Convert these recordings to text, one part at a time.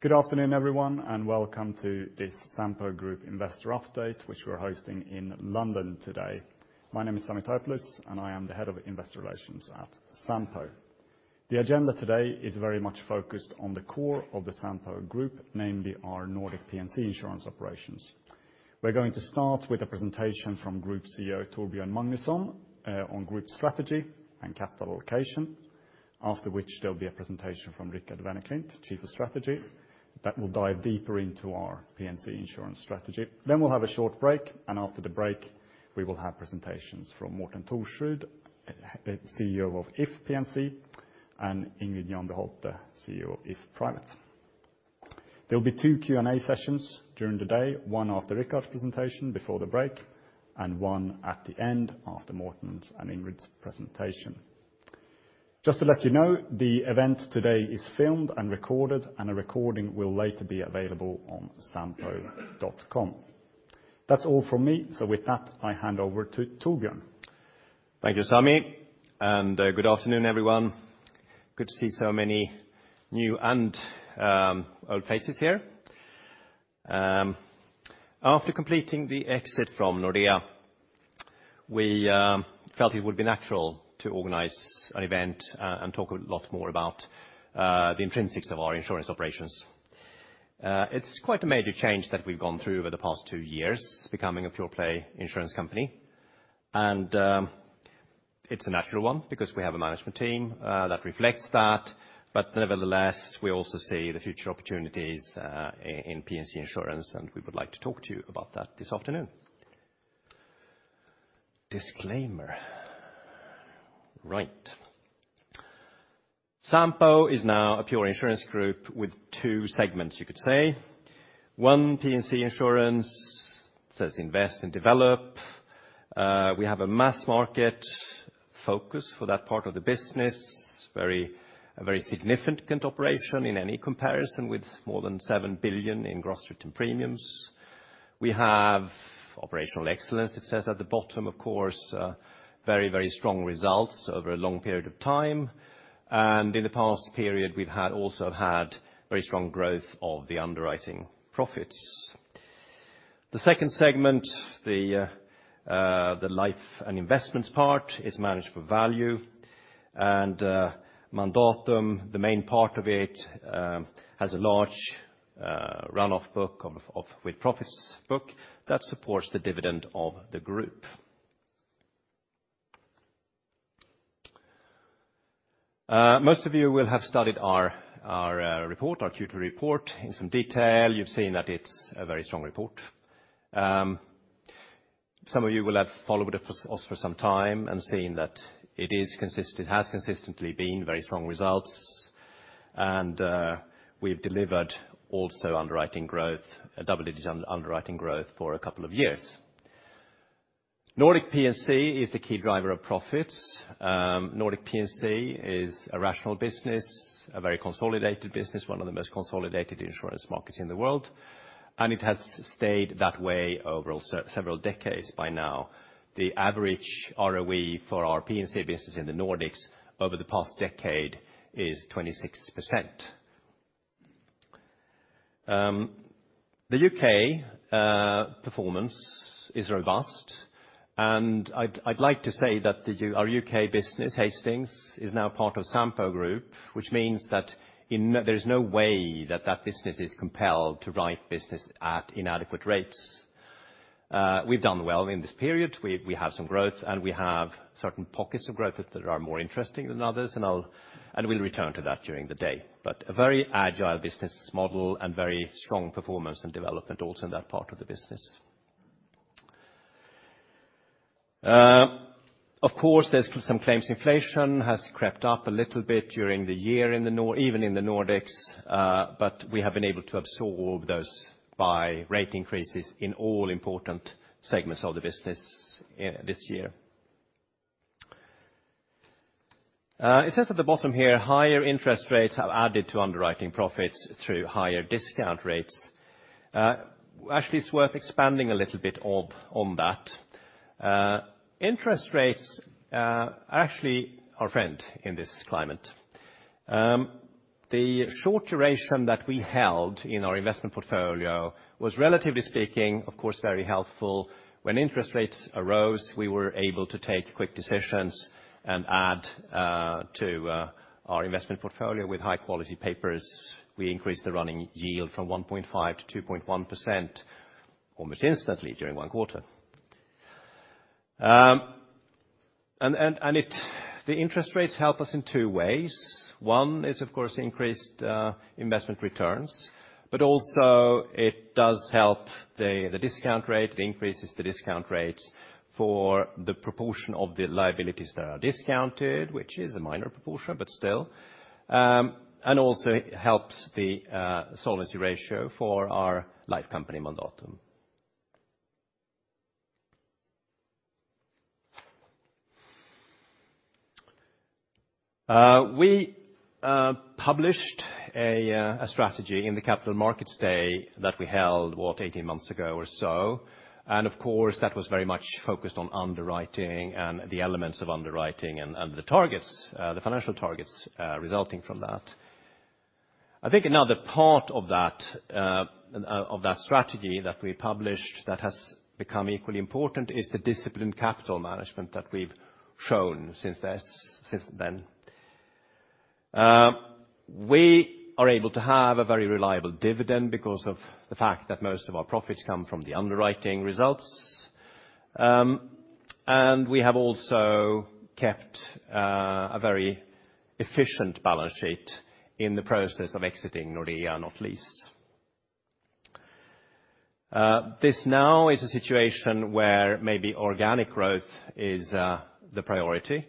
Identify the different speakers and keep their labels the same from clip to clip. Speaker 1: Good afternoon, everyone, and welcome to this Sampo Group investor update, which we're hosting in London today. My name is Sami Taipalus, and I am the head of investor relations at Sampo. The agenda today is very much focused on the core of the Sampo Group, namely our Nordic P&C insurance operations. We're going to start with a presentation from Group CEO Torbjörn Magnusson on group strategy and capital allocation. After which, there'll be a presentation from Ricard Wennerklint, Chief of Strategy, that will dive deeper into our P&C insurance strategy. Then we'll have a short break, and after the break, we will have presentations from Morten Thorsrud, CEO of If P&C, and Ingrid Janbu Holthe, CEO of If Private. There'll be two Q&A sessions during the day, one after Ricard's presentation before the break, and one at the end after Morten's and Ingrid's presentation. Just to let you know, the event today is filmed and recorded, and a recording will later be available on sampo.com. That's all from me. With that, I hand over to Torbjörn.
Speaker 2: Thank you, Sami, and good afternoon, everyone. Good to see so many new and old faces here. After completing the exit from Nordea, we felt it would be natural to organize an event and talk a lot more about the intrinsics of our insurance operations. It's quite a major change that we've gone through over the past two years, becoming a pure play insurance company. It's a natural one because we have a management team that reflects that. Nevertheless, we also see the future opportunities in P&C insurance, and we would like to talk to you about that this afternoon. Disclaimer. Right. Sampo is now a pure insurance group with two segments, you could say. One, P&C insurance says invest and develop. We have a mass market focus for that part of the business. It's a very significant operation in any comparison with more than 7 billion in gross written premiums. We have operational excellence. It says at the bottom, of course, very strong results over a long period of time. In the past period, we've also had very strong growth of the underwriting profits. The second segment, the life and investments part, is managed for value. Mandatum, the main part of it, has a large run-off book of with-profits book that supports the dividend of the group. Most of you will have studied our report, our Q2 report in some detail. You've seen that it's a very strong report. Some of you will have followed us for some time and seen that it has consistently been very strong results. We've delivered also underwriting growth, a double-digit underwriting growth for a couple of years. Nordic P&C is the key driver of profits. Nordic P&C is a rational business, a very consolidated business, one of the most consolidated insurance markets in the world, and it has stayed that way over several decades by now. The average ROE for our P&C business in the Nordics over the past decade is 26%. The U.K. performance is robust, and I'd like to say that our U.K. business, Hastings, is now part of Sampo Group, which means that there is no way that that business is compelled to write business at inadequate rates. We've done well in this period. We have some growth, and we have certain pockets of growth that are more interesting than others, and I'll. We'll return to that during the day. A very agile business model and very strong performance and development also in that part of the business. Of course, there's some claims inflation has crept up a little bit during the year even in the Nordics, but we have been able to absorb those by rate increases in all important segments of the business this year. It says at the bottom here, higher interest rates have added to underwriting profits through higher discount rates. Actually, it's worth expanding a little bit on that. Interest rates actually are a friend in this climate. The short duration that we held in our investment portfolio was, relatively speaking, of course, very helpful. When interest rates arose, we were able to take quick decisions and add to our investment portfolio with high-quality papers. We increased the running yield from 1.5% to 2.1% almost instantly during one quarter. The interest rates help us in two ways. One is, of course, increased investment returns, but also it does help the discount rate. It increases the discount rates for the proportion of the liabilities that are discounted, which is a minor proportion, but still. And also it helps the solvency ratio for our life company, Mandatum. We published a strategy in the Capital Markets Day that we held, what, 18 months ago or so. Of course, that was very much focused on underwriting and the elements of underwriting and the targets, the financial targets, resulting from that. I think another part of that strategy that we published that has become equally important is the disciplined capital management that we've shown since then. We are able to have a very reliable dividend because of the fact that most of our profits come from the underwriting results. We have also kept a very efficient balance sheet in the process of exiting Nordea, not least. This now is a situation where maybe organic growth is the priority.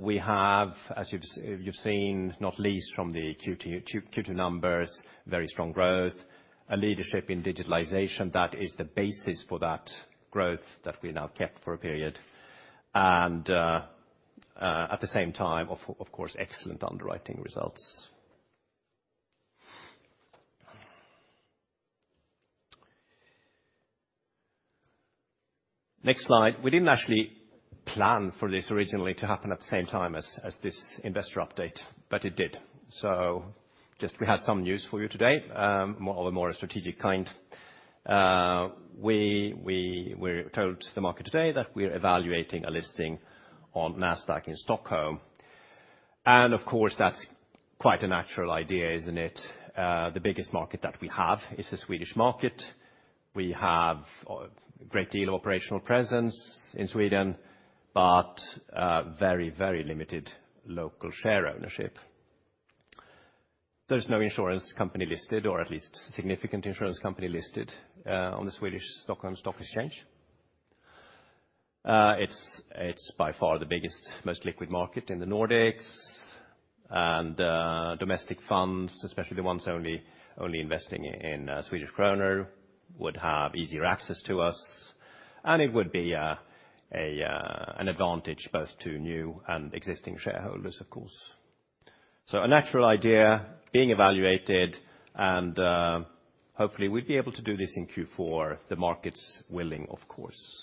Speaker 2: We have, as you've seen, not least from the Q2 numbers, very strong growth, a leadership in digitalization that is the basis for that growth that we now kept for a period, and at the same time, of course, excellent underwriting results. Next slide. We didn't actually plan for this originally to happen at the same time as this investor update, but it did. We had some news for you today, more of a strategic kind. We told the market today that we are evaluating a listing on Nasdaq Stockholm. Of course, that's quite a natural idea, isn't it? The biggest market that we have is the Swedish market. We have a great deal of operational presence in Sweden, but very, very limited local share ownership. There's no insurance company listed, or at least significant insurance company listed, on Nasdaq Stockholm. It's by far the biggest, most liquid market in the Nordics. Domestic funds, especially the ones only investing in Swedish krona, would have easier access to us. It would be an advantage both to new and existing shareholders, of course. A natural idea being evaluated, and hopefully we'll be able to do this in Q4, the markets willing, of course.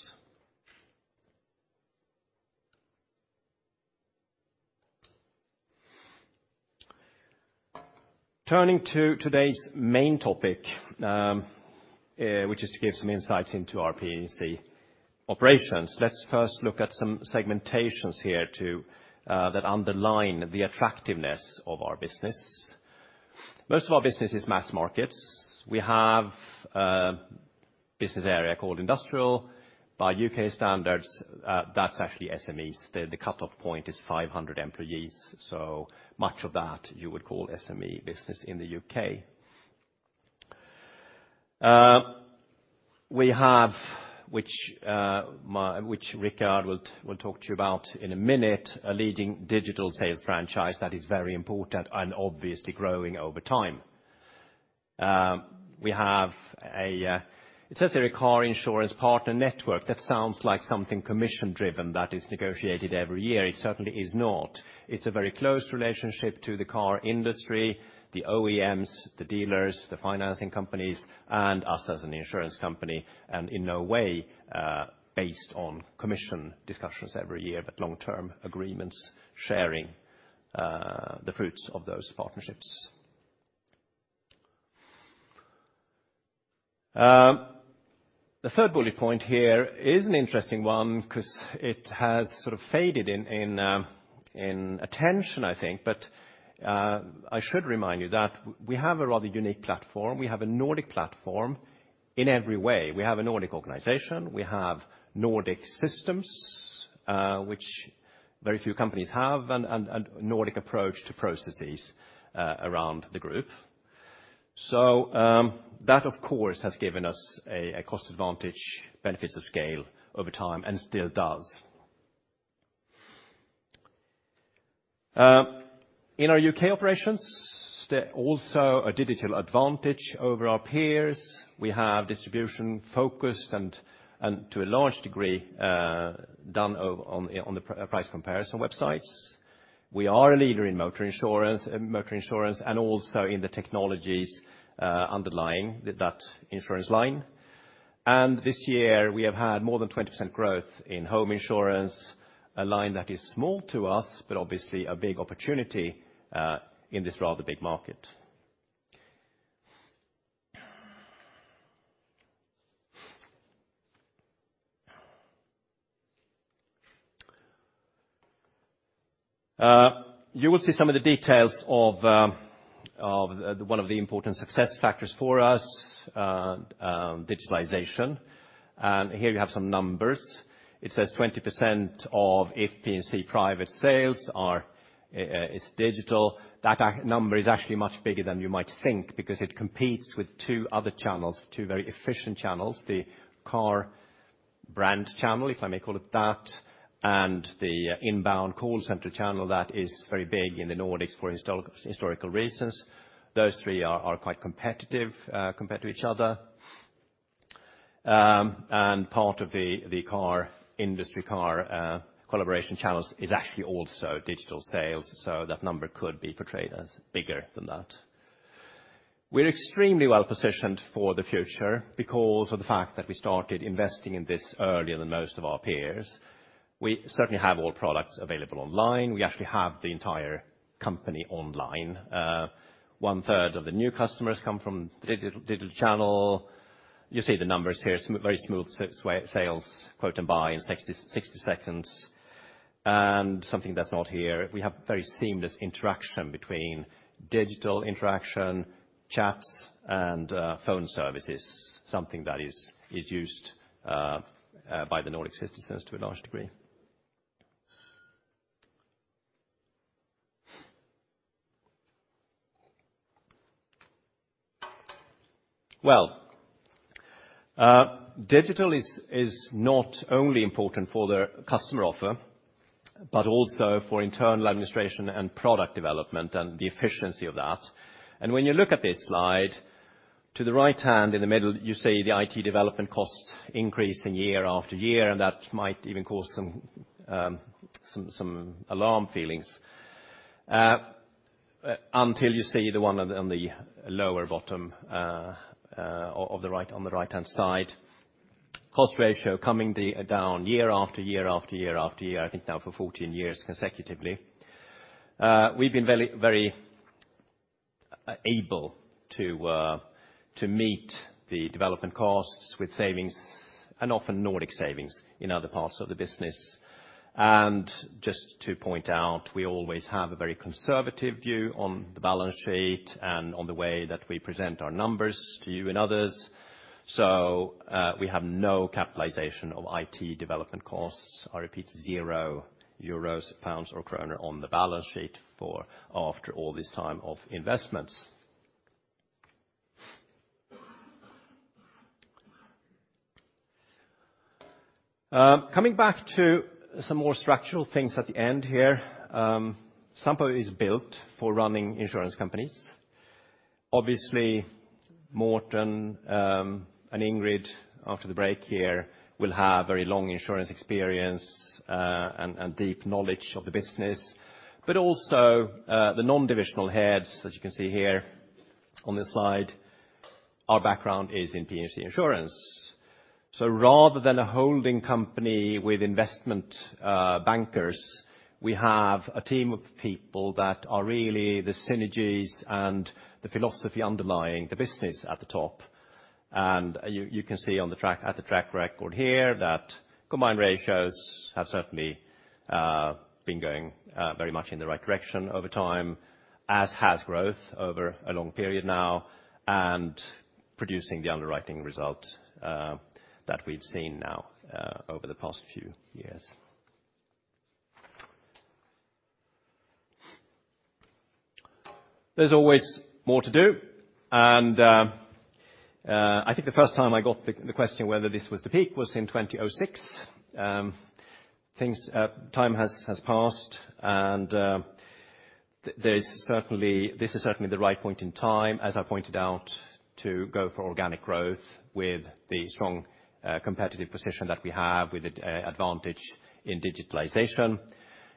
Speaker 2: Turning to today's main topic, which is to give some insights into our P&C operations. Let's first look at some segmentations here that underline the attractiveness of our business. Most of our business is mass markets. We have a business area called industrial. By U.K. standards, that's actually SMEs. The cutoff point is 500 employees, so much of that you would call SME business in the U.K. We have, which Ricard will talk to you about in a minute, a leading digital sales franchise that is very important and obviously growing over time. We have, it says here a car insurance partner network. That sounds like something commission-driven that is negotiated every year. It certainly is not. It's a very close relationship to the car industry, the OEMs, the dealers, the financing companies, and us as an insurance company, and in no way based on commission discussions every year, but long-term agreements sharing the fruits of those partnerships. The third bullet point here is an interesting one because it has sort of faded in attention, I think. I should remind you that we have a rather unique platform. We have a Nordic platform in every way. We have a Nordic organization. We have Nordic systems, which very few companies have, and a Nordic approach to processes around the group. That, of course, has given us a cost advantage, benefits of scale over time, and still does. In our UK operations, there also a digital advantage over our peers. We have distribution focused and to a large degree done on the price comparison websites. We are a leader in motor insurance and also in the technologies underlying that insurance line. This year, we have had more than 20% growth in home insurance, a line that is small to us, but obviously a big opportunity in this rather big market. You will see some of the details of one of the important success factors for us, digitalization. Here you have some numbers. It says 20% of If P&C private sales is digital. That number is actually much bigger than you might think because it competes with two other channels, two very efficient channels, the car brand channel, if I may call it that, and the inbound call center channel that is very big in the Nordics for historical reasons. Those three are quite competitive compared to each other. Part of the car industry, car collaboration channels is actually also digital sales, so that number could be portrayed as bigger than that. We're extremely well-positioned for the future because of the fact that we started investing in this earlier than most of our peers. We certainly have all products available online. We actually have the entire company online. One-third of the new customers come from digital channel. You see the numbers here, very smooth sales, quote, and buy in 60 seconds. Something that's not here, we have very seamless interaction between digital interaction, chats, and phone services, something that is used by the Nordic citizens to a large degree. Digital is not only important for the customer offer, but also for internal administration and product development and the efficiency of that. When you look at this slide, to the right-hand in the middle, you see the IT development costs increasing year after year, and that might even cause some alarm feelings. Until you see the one on the lower bottom of the right, on the right-hand side, cost ratio coming down year after year, I think now for 14 years consecutively. We've been very able to meet the development costs with savings and often Nordic savings in other parts of the business. Just to point out, we always have a very conservative view on the balance sheet and on the way that we present our numbers to you and others. We have no capitalization of IT development costs. I repeat, zero euros, pounds or krona on the balance sheet for after all this time of investments. Coming back to some more structural things at the end here, Sampo is built for running insurance companies. Obviously, Morten and Ingrid, after the break here, will have very long insurance experience and deep knowledge of the business. Also, the non-divisional heads, as you can see here on this slide, our background is in P&C insurance. Rather than a holding company with investment bankers, we have a team of people that are really the synergies and the philosophy underlying the business at the top. You can see on the track record here that combined ratios have certainly been going very much in the right direction over time, as has growth over a long period now, and producing the underwriting result that we've seen now over the past few years. There's always more to do, and I think the first time I got the question whether this was the peak was in 2006. Time has passed, and this is certainly the right point in time, as I pointed out, to go for organic growth with the strong competitive position that we have with an advantage in digitalization.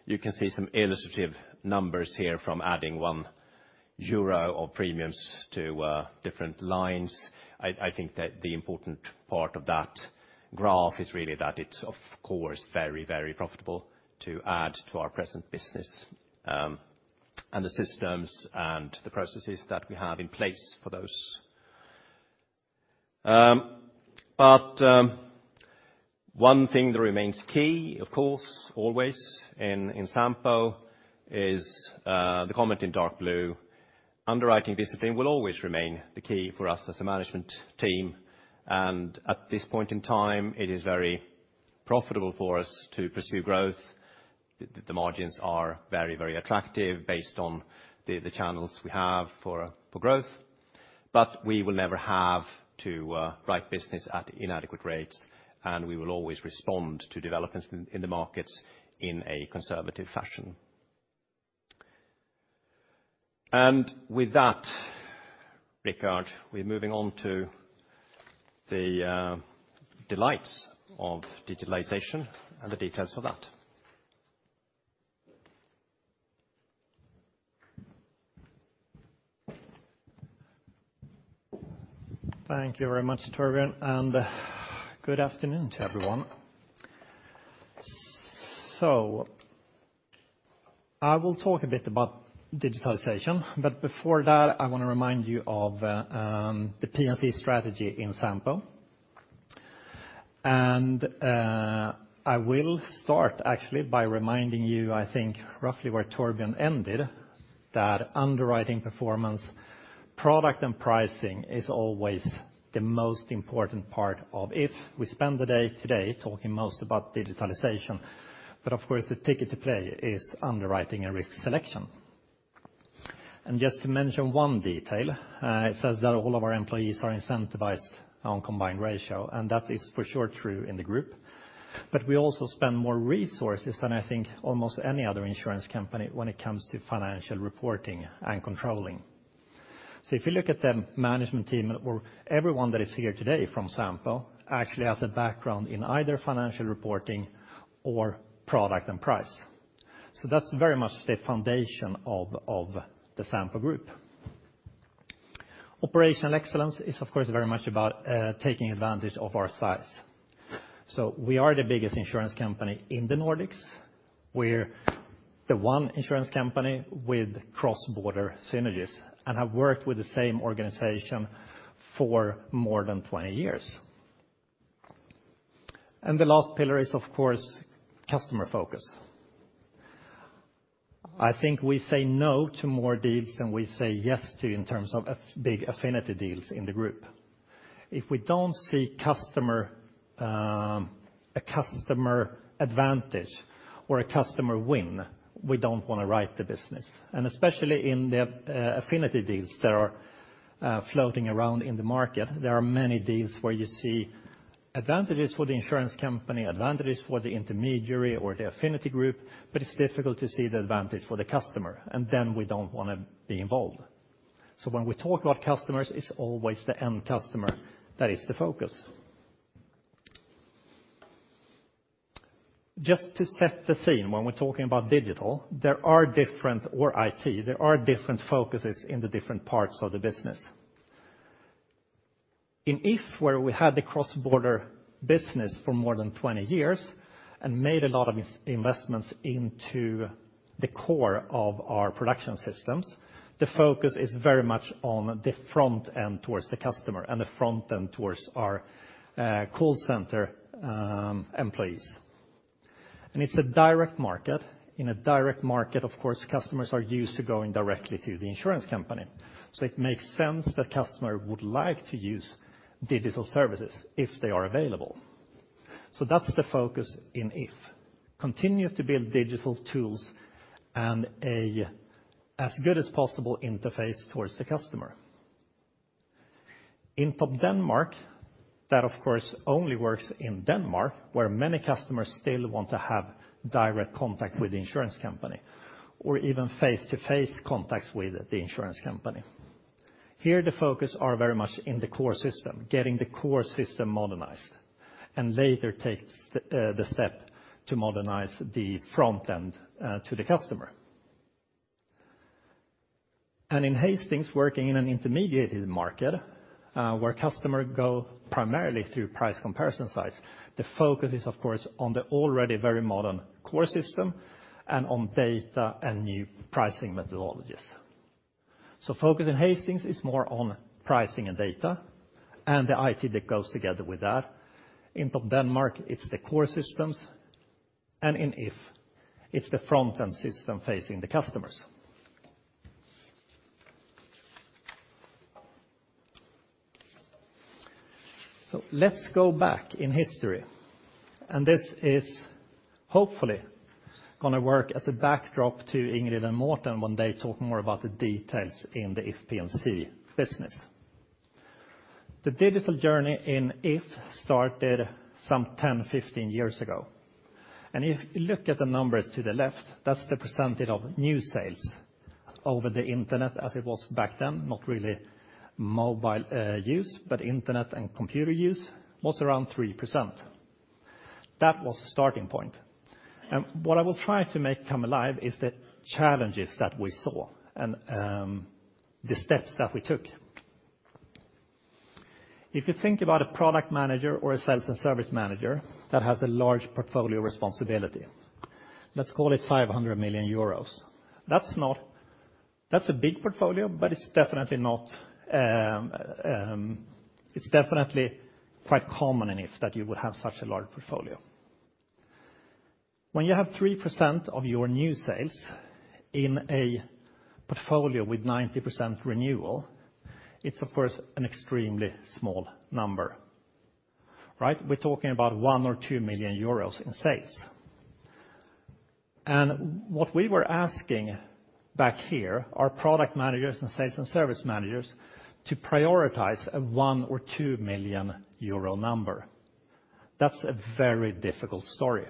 Speaker 2: You can see some illustrative numbers here from adding 1 euro of premiums to different lines. I think that the important part of that graph is really that it's of course very profitable to add to our present business, and the systems and the processes that we have in place for those. One thing that remains key, of course, always in Sampo, is the comment in dark blue. Underwriting discipline will always remain the key for us as a management team. At this point in time, it is very profitable for us to pursue growth. The margins are very, very attractive based on the channels we have for growth. We will never have to write business at inadequate rates, and we will always respond to developments in the markets in a conservative fashion. With that, Ricard, we're moving on to the delights of digitalization and the details for that.
Speaker 3: Thank you very much, Torbjörn, and good afternoon to everyone. I will talk a bit about digitalization, but before that, I wanna remind you of the P&C strategy in Sampo. I will start actually by reminding you, I think, roughly where Torbjörn ended, that underwriting performance, product, and pricing is always the most important part of it if we spend the day today talking most about digitalization. Of course, the ticket to play is underwriting and risk selection. Just to mention one detail, it says that all of our employees are incentivized on combined ratio, and that is for sure true in the group. We also spend more resources than I think almost any other insurance company when it comes to financial reporting and controlling. If you look at the management team or everyone that is here today from Sampo, actually has a background in either financial reporting or product and price. That's very much the foundation of the Sampo Group. Operational excellence is, of course, very much about taking advantage of our size. We are the biggest insurance company in the Nordics. We're the one insurance company with cross-border synergies and have worked with the same organization for more than 20 years. The last pillar is, of course, customer focus. I think we say no to more deals than we say yes to in terms of affinity deals in the group. If we don't see customer a customer advantage or a customer win, we don't wanna write the business. Especially in the affinity deals that are floating around in the market, there are many deals where you see advantages for the insurance company, advantages for the intermediary or the affinity group, but it's difficult to see the advantage for the customer, and then we don't wanna be involved. When we talk about customers, it's always the end customer that is the focus. Just to set the scene, when we're talking about digital or IT, there are different focuses in the different parts of the business. In If, where we had the cross-border business for more than 20 years and made a lot of this investments into the core of our production systems, the focus is very much on the front end towards the customer and the front end towards our call center employees. It's a direct market. In a direct market, of course, customers are used to going directly to the insurance company. It makes sense that customer would like to use digital services if they are available. That's the focus in If, continue to build digital tools and as good as possible interface towards the customer. In Topdanmark, that of course only works in Denmark, where many customers still want to have direct contact with the insurance company or even face-to-face contacts with the insurance company. Here, the focus are very much in the core system, getting the core system modernized, and later takes the step to modernize the front end to the customer. In Hastings, working in an intermediated market, where customer go primarily through price comparison sites, the focus is, of course, on the already very modern core system and on data and new pricing methodologies. Focus in Hastings is more on pricing and data and the IT that goes together with that. In Topdanmark, it's the core systems, and in If, it's the front end system facing the customers. Let's go back in history, and this is hopefully gonna work as a backdrop to Ingrid and Morten when they talk more about the details in the If P&C business. The digital journey in If started some 10, 15 years ago. If you look at the numbers to the left, that's the percentage of new sales over the internet as it was back then, not really mobile use, but internet and computer use, was around 3%. That was the starting point. What I will try to make come alive is the challenges that we saw and the steps that we took. If you think about a product manager or a sales and service manager that has a large portfolio responsibility, let's call it 500 million euros. That's a big portfolio, but it's definitely not. It's definitely quite common in If that you would have such a large portfolio. When you have 3% of your new sales in a portfolio with 90% renewal, it's of course an extremely small number, right? We're talking about 1-2 million euros in sales. What we were asking back here, our product managers and sales and service managers, to prioritize a 1-2 million euro number. That's a very difficult story.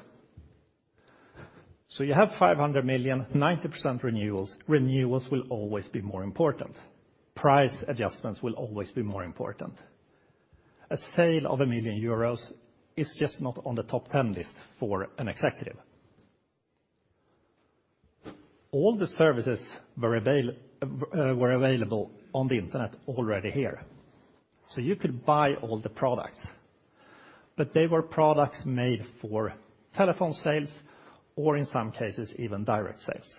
Speaker 3: You have 500 million, 90% renewals. Renewals will always be more important. Price adjustments will always be more important. A sale of 1 million euros is just not on the top 10 list for an executive. All the services were available on the internet already here, so you could buy all the products. They were products made for telephone sales or in some cases even direct sales.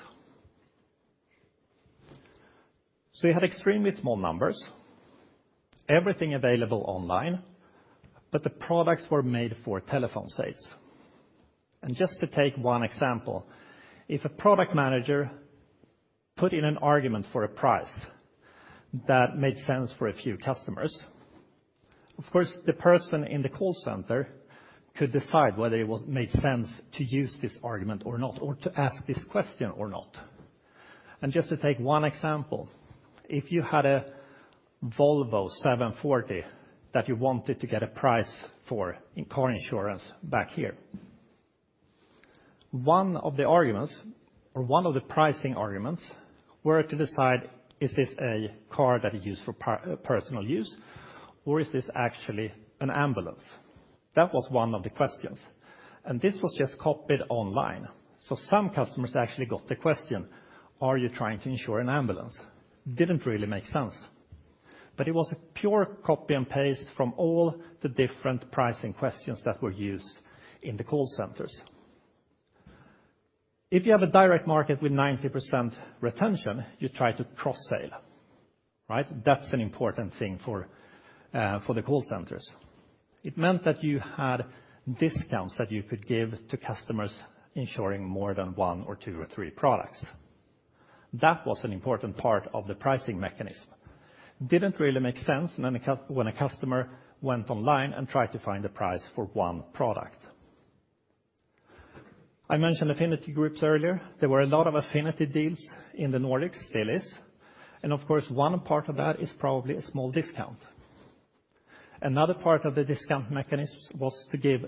Speaker 3: You had extremely small numbers, everything available online, but the products were made for telephone sales. Just to take one example, if a product manager put in an argument for a price that made sense for a few customers, of course, the person in the call center That was one of the questions, and this was just copied online. Some customers actually got the question, are you trying to insure an ambulance? Didn't really make sense. It was a pure copy and paste from all the different pricing questions that were used in the call centers. If you have a direct market with 90% retention, you try to cross-sale, right? That's an important thing for the call centers. It meant that you had discounts that you could give to customers insuring more than one or two or three products. That was an important part of the pricing mechanism. Didn't really make sense when a customer went online and tried to find a price for one product. I mentioned affinity groups earlier. There were a lot of affinity deals in the Nordics, still is. Of course, one part of that is probably a small discount. Another part of the discount mechanism was to give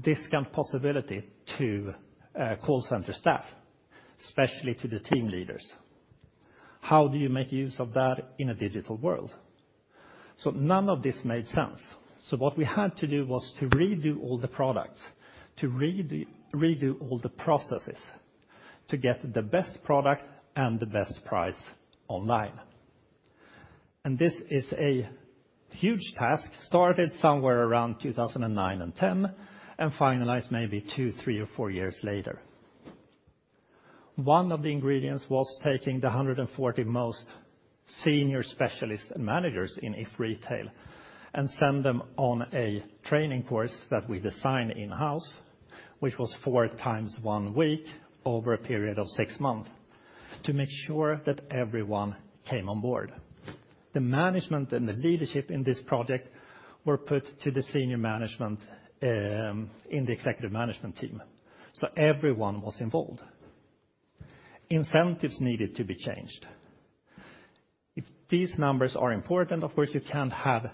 Speaker 3: discount possibility to call center staff, especially to the team leaders. How do you make use of that in a digital world? None of this made sense. What we had to do was to redo all the products, to redo all the processes to get the best product and the best price online. This is a huge task, started somewhere around 2009 and 2010, and finalized maybe two, three, or four years later. One of the ingredients was taking the 140 most senior specialists and managers in If Retail and send them on a training course that we designed in-house, which was 4x one week over a period of six months, to make sure that everyone came on board. The management and the leadership in this project were put to the senior management, in the executive management team. Everyone was involved. Incentives needed to be changed. If these numbers are important, of course, you can't have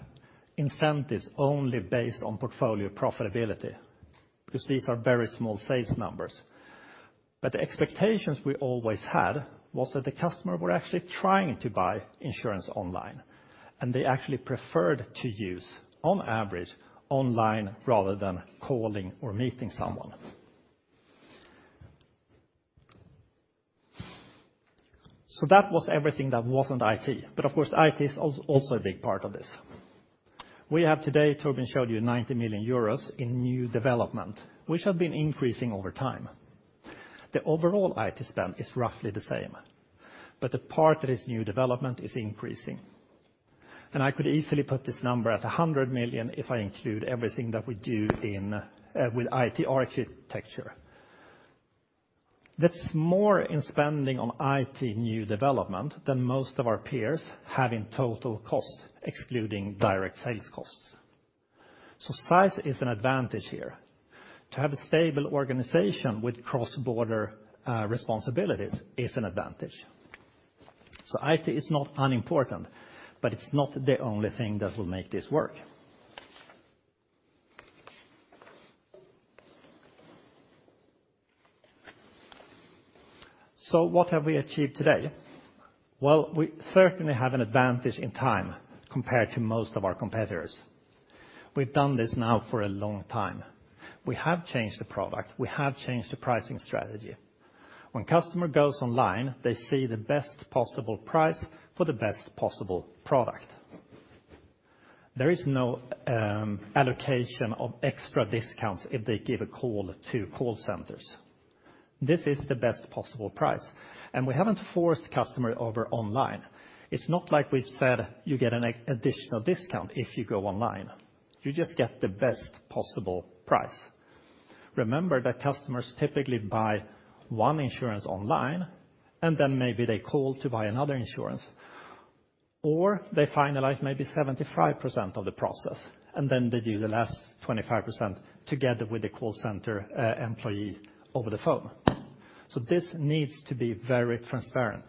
Speaker 3: incentives only based on portfolio profitability, because these are very small sales numbers. But the expectations we always had was that the customer were actually trying to buy insurance online, and they actually preferred to use, on average, online rather than calling or meeting someone. That was everything that wasn't IT. Of course, IT is also a big part of this. We have today, Torbjörn showed you 90 million euros in new development, which have been increasing over time. The overall IT spend is roughly the same, but the part that is new development is increasing. I could easily put this number at 100 million if I include everything that we do in with IT architecture. That's more in spending on IT new development than most of our peers have in total cost, excluding direct sales costs. Size is an advantage here. To have a stable organization with cross-border responsibilities is an advantage. IT is not unimportant, but it's not the only thing that will make this work. What have we achieved today? Well, we certainly have an advantage in time compared to most of our competitors. We've done this now for a long time. We have changed the product, we have changed the pricing strategy. When customer goes online, they see the best possible price for the best possible product. There is no allocation of extra discounts if they give a call to call centers. This is the best possible price, and we haven't forced customer over online. It's not like we've said, "You get an additional discount if you go online." You just get the best possible price. Remember that customers typically buy one insurance online, and then maybe they call to buy another insurance. They finalize maybe 75% of the process, and then they do the last 25% together with the call center employee over the phone. This needs to be very transparent,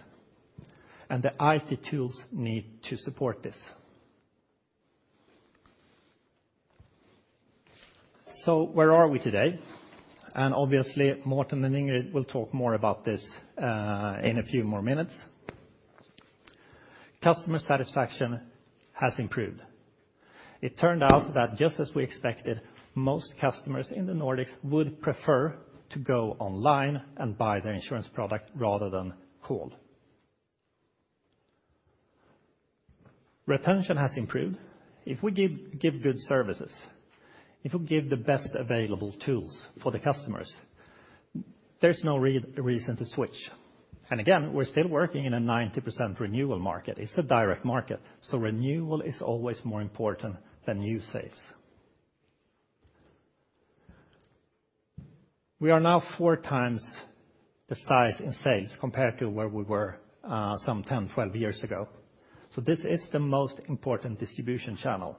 Speaker 3: and the IT tools need to support this. Where are we today? Obviously, Morten and Ingrid will talk more about this in a few more minutes. Customer satisfaction has improved. It turned out that just as we expected, most customers in the Nordics would prefer to go online and buy their insurance product rather than call. Retention has improved. If we give good services, if we give the best available tools for the customers, there's no reason to switch. Again, we're still working in a 90% renewal market. It's a direct market, so renewal is always more important than new sales. We are now four times the size in sales compared to where we were some 10, 12 years ago. So this is the most important distribution channel.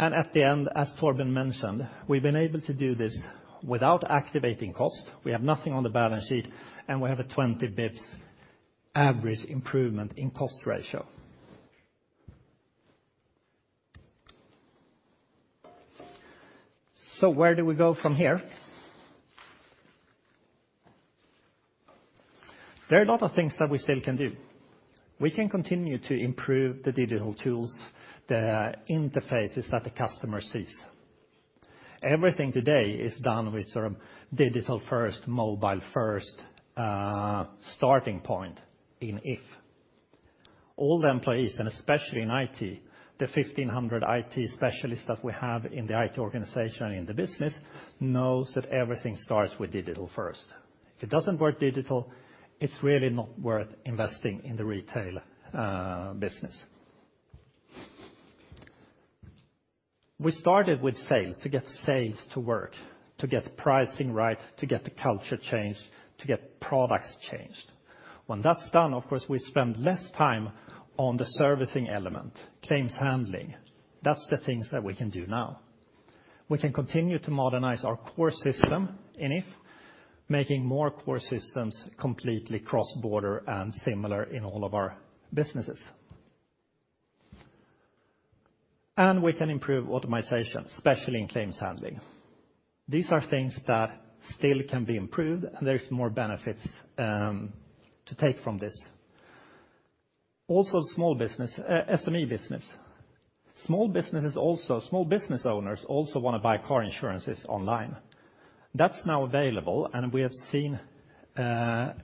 Speaker 3: At the end, as Torbjörn mentioned, we've been able to do this without additional cost. We have nothing on the balance sheet, and we have a 20 basis points average improvement in cost ratio. Where do we go from here? There are a lot of things that we still can do. We can continue to improve the digital tools, the interfaces that the customer sees. Everything today is done with sort of digital first, mobile first, starting point in If. All the employees, and especially in IT, the 1,500 IT specialists that we have in the IT organization in the business, knows that everything starts with digital first. If it doesn't work digital, it's really not worth investing in the retail business. We started with sales, to get sales to work, to get pricing right, to get the culture changed, to get products changed. When that's done, of course, we spend less time on the servicing element, claims handling. That's the things that we can do now. We can continue to modernize our core system in If, making more core systems completely cross-border and similar in all of our businesses. We can improve automation, especially in claims handling. These are things that still can be improved, and there's more benefits to take from this. Also small business, SME business. Small business owners also wanna buy car insurances online. That's now available, and we have seen an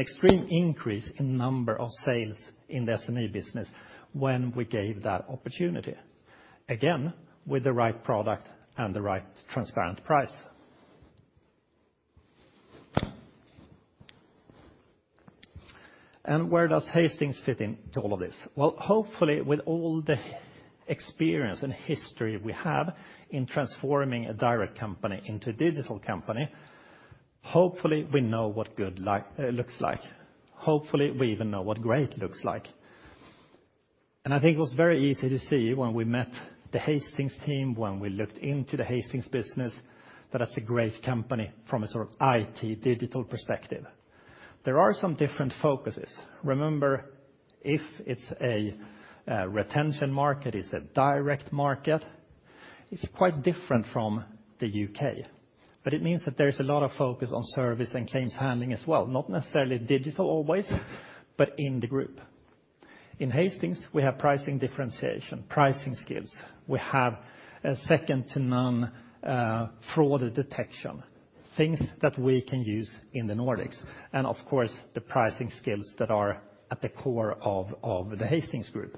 Speaker 3: extreme increase in number of sales in the SME business when we gave that opportunity. Again, with the right product and the right transparent price. Where does Hastings fit into all of this? Well, hopefully with all the experience and history we have in transforming a direct company into a digital company, hopefully we know what good like looks like. Hopefully, we even know what great looks like. I think it was very easy to see when we met the Hastings team, when we looked into the Hastings business, that it's a great company from a sort of IT digital perspective. There are some different focuses. Remember, If, it's a retention market, it's a direct market. It's quite different from the U.K. It means that there's a lot of focus on service and claims handling as well. Not necessarily digital always, but in the group. In Hastings, we have pricing differentiation, pricing skills. We have a second to none, fraud detection, things that we can use in the Nordics. Of course, the pricing skills that are at the core of the Hastings group.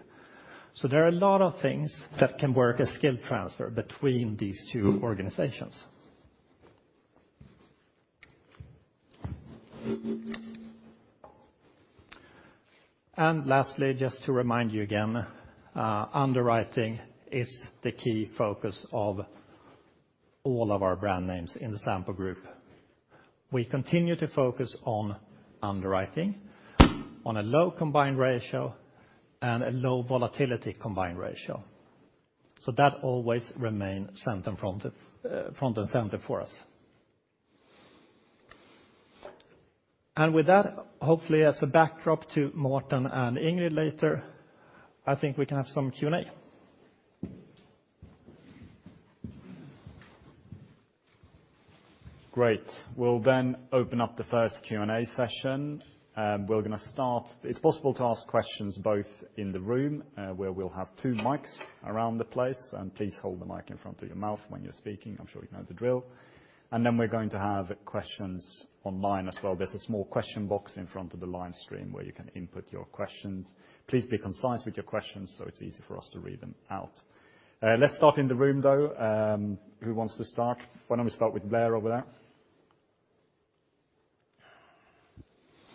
Speaker 3: There are a lot of things that can work as skill transfer between these two organizations. Lastly, just to remind you again, underwriting is the key focus of all of our brand names in the Sampo Group. We continue to focus on underwriting, on a low combined ratio, and a low volatility combined ratio. That always remain front and center for us. With that, hopefully as a backdrop to Morten and Ingrid later, I think we can have some Q&A.
Speaker 1: Great. We'll then open up the first Q&A session. We're gonna start. It's possible to ask questions both in the room, where we'll have two mics around the place, and please hold the mic in front of your mouth when you're speaking. I'm sure you know the drill. We're going to have questions online as well. There's a small question box in front of the live stream where you can input your questions. Please be concise with your questions, so it's easy for us to read them out. Let's start in the room, though. Who wants to start? Why don't we start with Blair over there?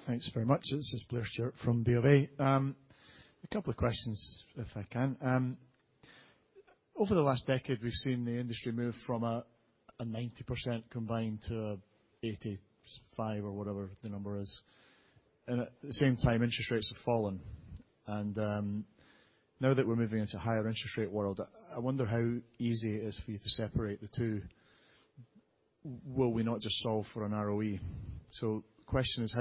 Speaker 4: Thanks very much. This is Blair Stewart from BofA. A couple of questions, if I can. Over the last decade, we've seen the industry move from a 90% combined to 85% or whatever the number is. At the same time, interest rates have fallen. Now that we're moving into a higher interest rate world, I wonder how easy it is for you to separate the two. Will we not just solve for an ROE? The question is,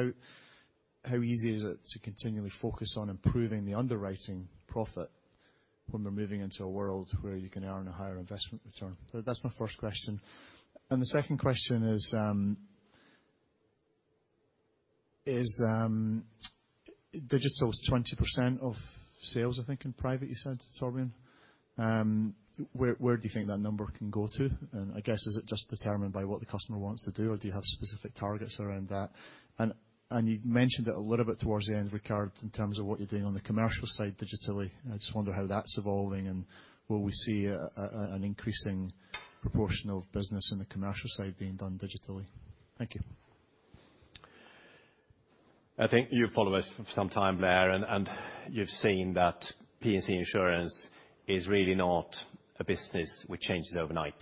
Speaker 4: how easy is it to continually focus on improving the underwriting profit when we're moving into a world where you can earn a higher investment return? That's my first question. The second question is digital's 20% of sales, I think, in private you said, Torbjörn. Where do you think that number can go to? I guess, is it just determined by what the customer wants to do, or do you have specific targets around that? You mentioned it a little bit towards the end, Ricard, in terms of what you're doing on the commercial side digitally. I just wonder how that's evolving, and will we see an increasing proportion of business in the commercial side being done digitally? Thank you.
Speaker 3: I think you've followed us for some time, Blair, and you've seen that If P&C Insurance is really not a business we changed overnight.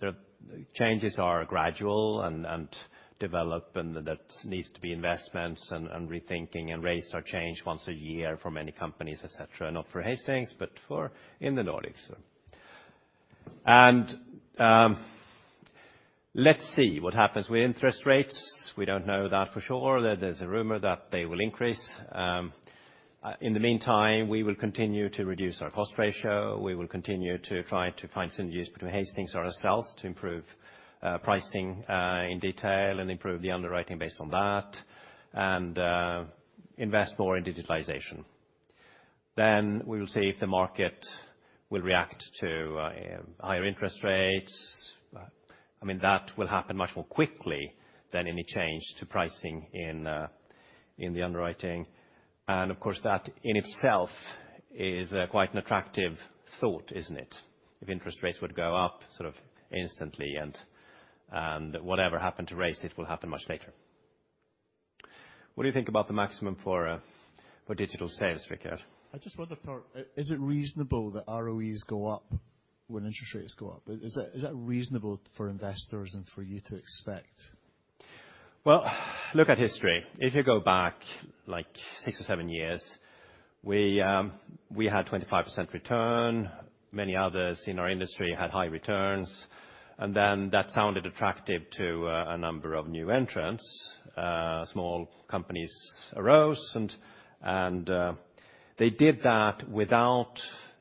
Speaker 3: The changes are gradual and develop, and that needs to be investments and rethinking, and rates are changed once a year for many companies, et cetera. Not for Hastings, but for in the Nordics. Let's see what happens with interest rates. We don't know that for sure. There's a rumor that they will increase.
Speaker 5: In the meantime, we will continue to reduce our cost ratio. We will continue to try to find synergies between Hastings and ourselves to improve pricing in detail and improve the underwriting based on that, and invest more in digitalization. We will see if the market will react to higher interest rates. I mean that will happen much more quickly than any change to pricing in the underwriting. Of course that in itself is quite an attractive thought, isn't it? If interest rates would go up sort of instantly and whatever happened to rates, it will happen much later. What do you think about the maximum for digital sales, Ricard?
Speaker 4: I just wonder, Tor, is it reasonable that ROEs go up when interest rates go up? Is that reasonable for investors and for you to expect?
Speaker 5: Well, look at history. If you go back like six or seven years, we had 25% return. Many others in our industry had high returns. Then that sounded attractive to a number of new entrants. Small companies arose and they did that without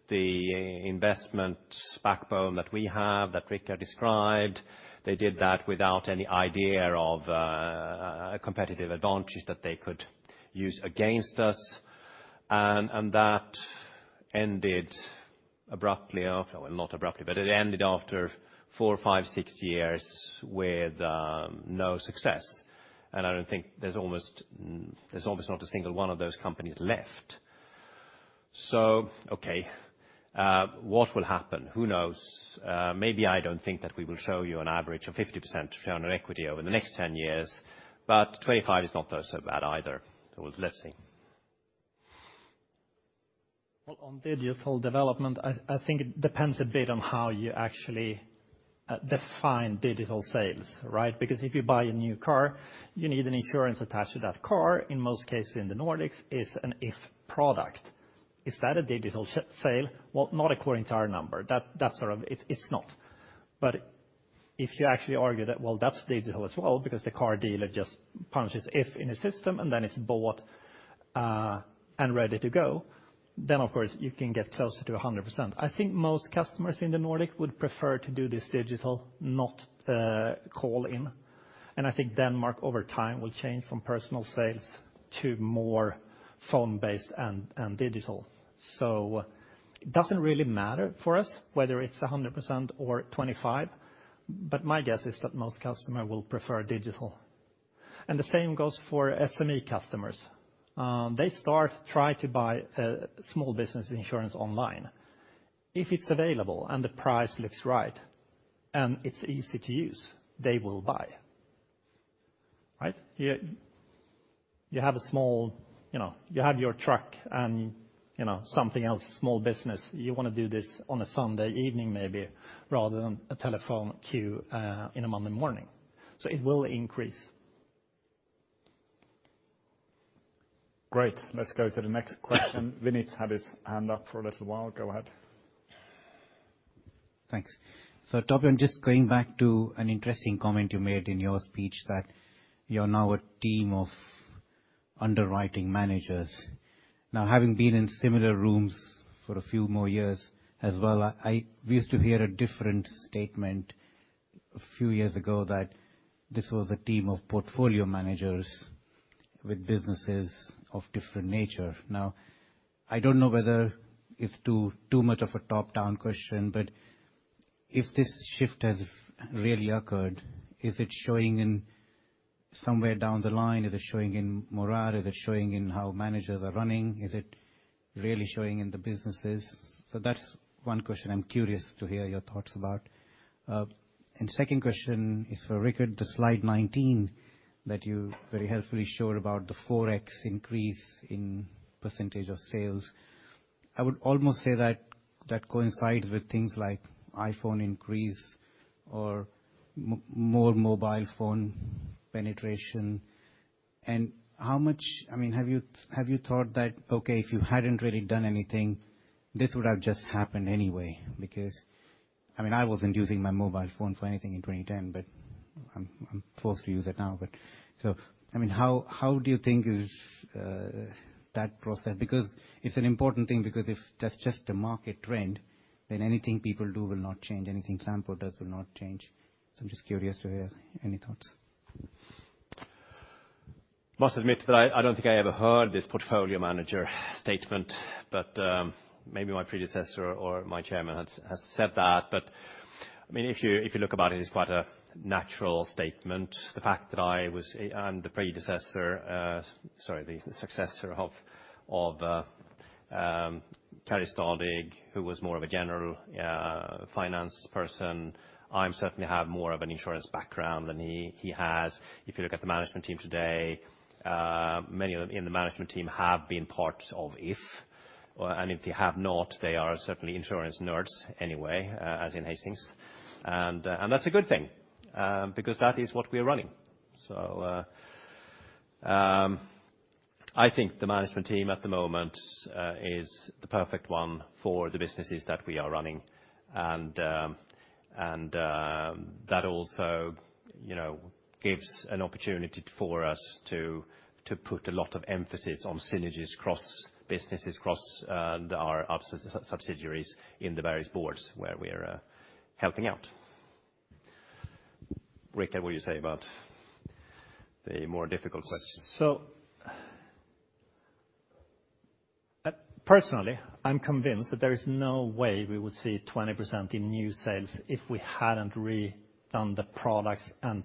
Speaker 5: the investment backbone that we have, that Ricard described. They did that without any idea of competitive advantages that they could use against us, and that ended abruptly after. Well, not abruptly, but it ended after four, five, six years with no success. I don't think there's almost not a single one of those companies left. Okay, what will happen? Who knows? Maybe I don't think that we will show you an average of 50% return on equity over the next 10 years, but 25 is not so bad either. Let's see.
Speaker 3: Well, on digital development, I think it depends a bit on how you actually define digital sales, right? Because if you buy a new car, you need an insurance attached to that car. In most cases in the Nordics is an If product. Is that a digital sale? Well, not according to our number. That's our. It's not. But if you actually argue that, well, that's digital as well, because the car dealer just punches If in his system and then it's bought and ready to go, then of course, you can get closer to 100%. I think most customers in the Nordic would prefer to do this digital, not call in. I think Denmark over time will change from personal sales to more phone-based and digital. It doesn't really matter for us whether it's 100% or 25, but my guess is that most customer will prefer digital. The same goes for SME customers. They try to buy small business insurance online. If it's available and the price looks right and it's easy to use, they will buy. Right? You have a small, you know, you have your truck and, you know, something else, small business, you wanna do this on a Sunday evening maybe rather than a telephone queue in a Monday morning. It will increase.
Speaker 5: Great. Let's go to the next question. Vinit's had his hand up for a little while. Go ahead.
Speaker 6: Thanks. Torbjörn, just going back to an interesting comment you made in your speech that you're now a team of underwriting managers. Now, having been in similar rooms for a few more years as well, we used to hear a different statement a few years ago that this was a team of portfolio managers with businesses of different nature. Now, I don't know whether it's too much of a top-down question, but if this shift has really occurred, is it showing in somewhere down the line? Is it showing in morale? Is it showing in how managers are running? Is it really showing in the businesses? That's one question I'm curious to hear your thoughts about, and second question is for Ricard. The slide 19 that you very helpfully showed about the 4x increase in percentage of sales, I would almost say that that coincides with things like iPhone increase or more mobile phone penetration. How much I mean, have you thought that, okay, if you hadn't really done anything, this would have just happened anyway? Because, I mean, I wasn't using my mobile phone for anything in 2010, but I'm forced to use it now. I mean, how do you think that process is? Because it's an important thing, because if that's just a market trend, then anything people do will not change. Anything Sampo does will not change. I'm just curious to hear any thoughts.
Speaker 5: must admit that I don't think I ever heard this portfolio manager statement, but maybe my predecessor or my chairman has said that. I mean, if you look about it's quite a natural statement. The fact that I was the successor of Kari Stadigh, who was more of a general finance person. I'm certainly have more of an insurance background than he has. If you look at the management team today, many of them in the management team have been part of If. If they have not, they are certainly insurance nerds anyway, as in Hastings. That's a good thing, because that is what we're running. I think the management team at the moment is the perfect one for the businesses that we are running. That also, you know, gives an opportunity for us to put a lot of emphasis on synergies across businesses, across our subsidiaries in the various boards where we're helping out. Ricard, what you say about the more difficult questions?
Speaker 3: Personally, I'm convinced that there is no way we would see 20% in new sales if we hadn't redone the products and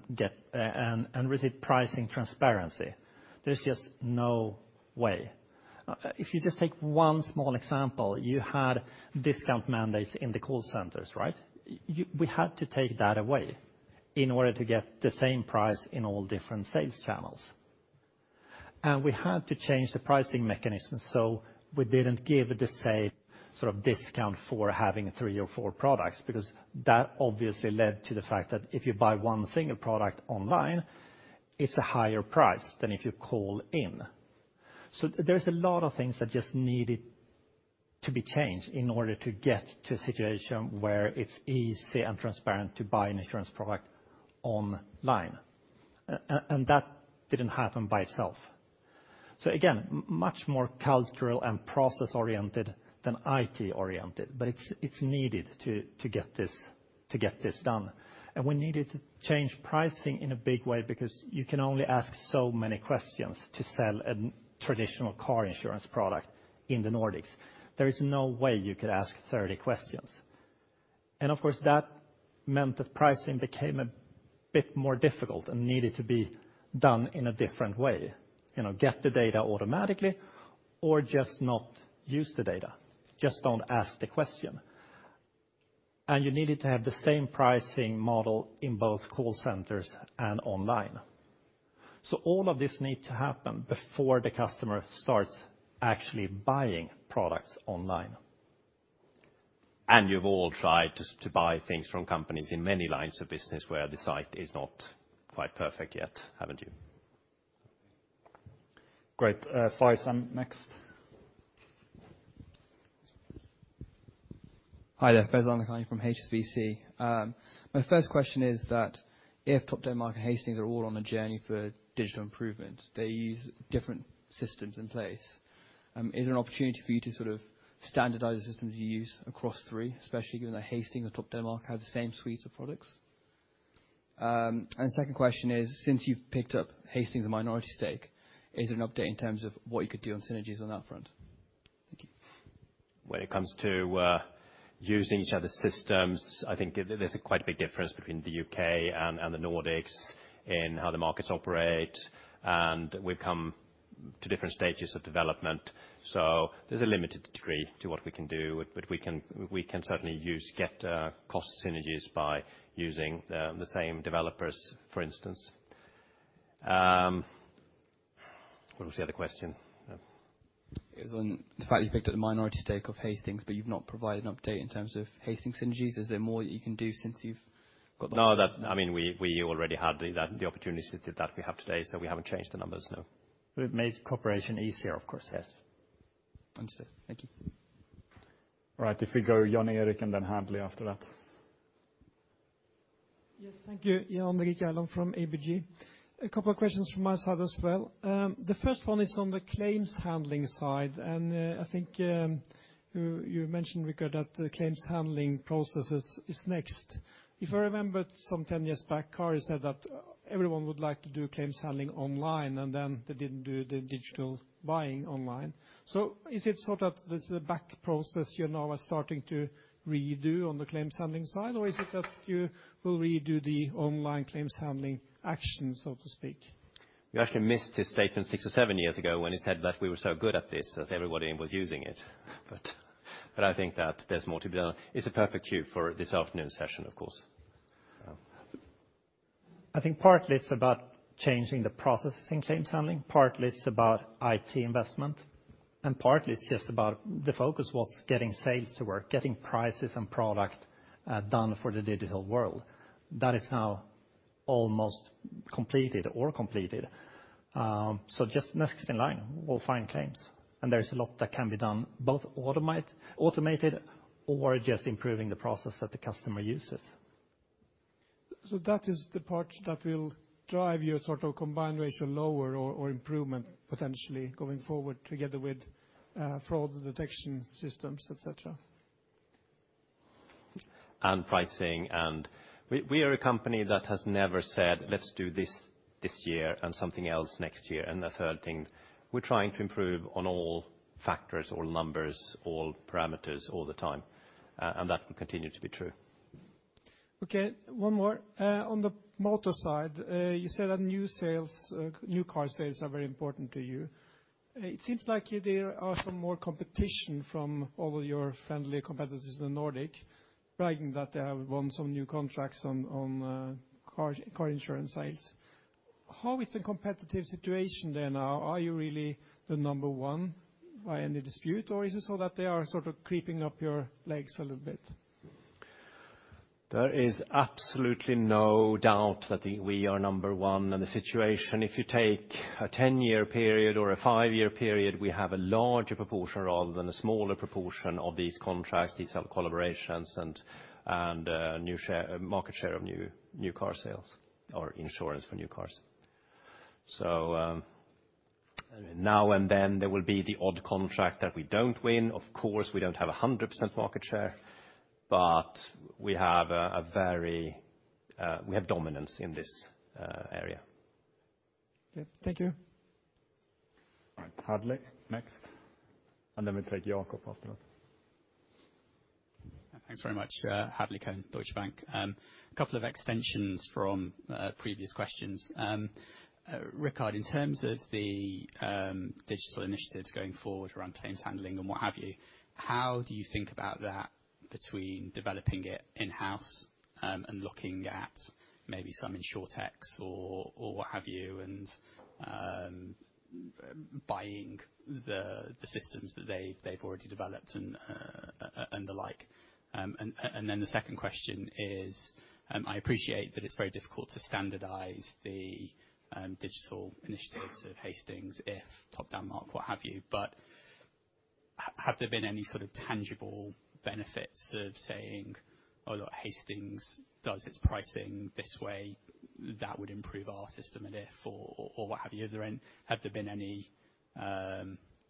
Speaker 3: received pricing transparency. There's just no way. If you just take one small example, you had discount mandates in the call centers, right? We had to take that away in order to get the same price in all different sales channels. We had to change the pricing mechanism so we didn't give the same sort of discount for having three or four products, because that obviously led to the fact that if you buy one single product online, it's a higher price than if you call in. There's a lot of things that just needed to be changed in order to get to a situation where it's easy and transparent to buy an insurance product online. That didn't happen by itself. Again, much more cultural and process-oriented than IT-oriented, but it's needed to get this done. We needed to change pricing in a big way because you can only ask so many questions to sell a traditional car insurance product in the Nordics. There is no way you could ask 30 questions. Of course, that meant that pricing became a bit more difficult and needed to be done in a different way. You know, get the data automatically or just not use the data, just don't ask the question. You needed to have the same pricing model in both call centers and online. All of this need to happen before the customer starts actually buying products online.
Speaker 5: You've all tried to buy things from companies in many lines of business where the site is not quite perfect yet, haven't you?
Speaker 1: Great. Faizan next.
Speaker 7: Hi there, Faizan Lakhani from HSBC. My first question is that if Topdanmark and Hastings are all on a journey for digital improvement, they use different systems in place, is there an opportunity for you to sort of standardize the systems you use across three, especially given that Hastings and Topdanmark have the same suites of products? Second question is, since you've picked up a minority stake in Hastings, is there an update in terms of what you could do on synergies on that front? Thank you.
Speaker 5: When it comes to using each other's systems, I think there's a quite big difference between the U.K. and the Nordics in how the markets operate, and we've come to different stages of development. There's a limited degree to what we can do, but we can certainly get cost synergies by using the same developers, for instance. What was the other question?
Speaker 7: It was on the fact you picked up the minority stake of Hastings, but you've not provided an update in terms of Hastings synergies. Is there more that you can do since you've got the.
Speaker 5: No, that's, I mean, we already had the opportunities that we have today, so we haven't changed the numbers, no.
Speaker 3: It makes cooperation easier, of course, yes.
Speaker 7: Understood. Thank you.
Speaker 1: All right. If we go Jan-Erik, and then Handley after that.
Speaker 8: Yes. Thank you. Jan-Erik Gjerland from ABG. A couple of questions from my side as well. The first one is on the claims handling side, and I think you mentioned, Ricard, that the claims handling processes is next. If I remember some 10 years back, Kari said that everyone would like to do claims handling online, and then they didn't do the digital buying online. Is it sort of this is a back process you're now starting to redo on the claims handling side, or is it that you will redo the online claims handling action, so to speak?
Speaker 5: You actually missed his statement six or seven years ago when he said that we were so good at this, that everybody was using it. I think that there's more to be done. It's a perfect cue for this afternoon's session, of course.
Speaker 3: I think partly it's about changing the processes in claims handling, partly it's about IT investment, and partly it's just about the focus was getting sales to work, getting prices and product done for the digital world. That is now almost completed or completed. So just next in line, we'll find claims. There is a lot that can be done, both automated or just improving the process that the customer uses.
Speaker 8: That is the part that will drive your sort of combined ratio lower or improvement potentially going forward together with fraud detection systems, et cetera.
Speaker 5: Pricing. We are a company that has never said, "Let's do this year and something else next year," and a third thing. We're trying to improve on all factors, all numbers, all parameters all the time. That will continue to be true.
Speaker 8: Okay, one more. On the motor side, you said that new sales, new car sales are very important to you. It seems like there are some more competition from all of your friendly competitors in the Nordic, bragging that they have won some new contracts on car insurance sales. How is the competitive situation there now? Are you really the number one by any dispute, or is it so that they are sort of creeping up your legs a little bit?
Speaker 5: There is absolutely no doubt that we are number one in the situation. If you take a 10-year period or a five-year period, we have a larger proportion rather than a smaller proportion of these contracts, these collaborations and market share of new car sales or insurance for new cars. Now and then there will be the odd contract that we don't win. Of course, we don't have a 100% market share, but we have dominance in this area.
Speaker 8: Okay. Thank you.
Speaker 1: All right. Hadley next, and then we'll take Jacob after that.
Speaker 9: Thanks very much. Hadley Cohen, Deutsche Bank. A couple of extensions from previous questions. Ricard, in terms of the digital initiatives going forward around claims handling and what have you, how do you think about that between developing it in-house and looking at maybe some insurtechs or what have you, and buying the systems that they've already developed and the like? And then the second question is, I appreciate that it's very difficult to standardize the digital initiatives of Hastings, If, Topdanmark, what have you, but have there been any sort of tangible benefits of saying, "Oh, look, Hastings does its pricing this way. That would improve our system at If or what have you." Are there any? Have there been any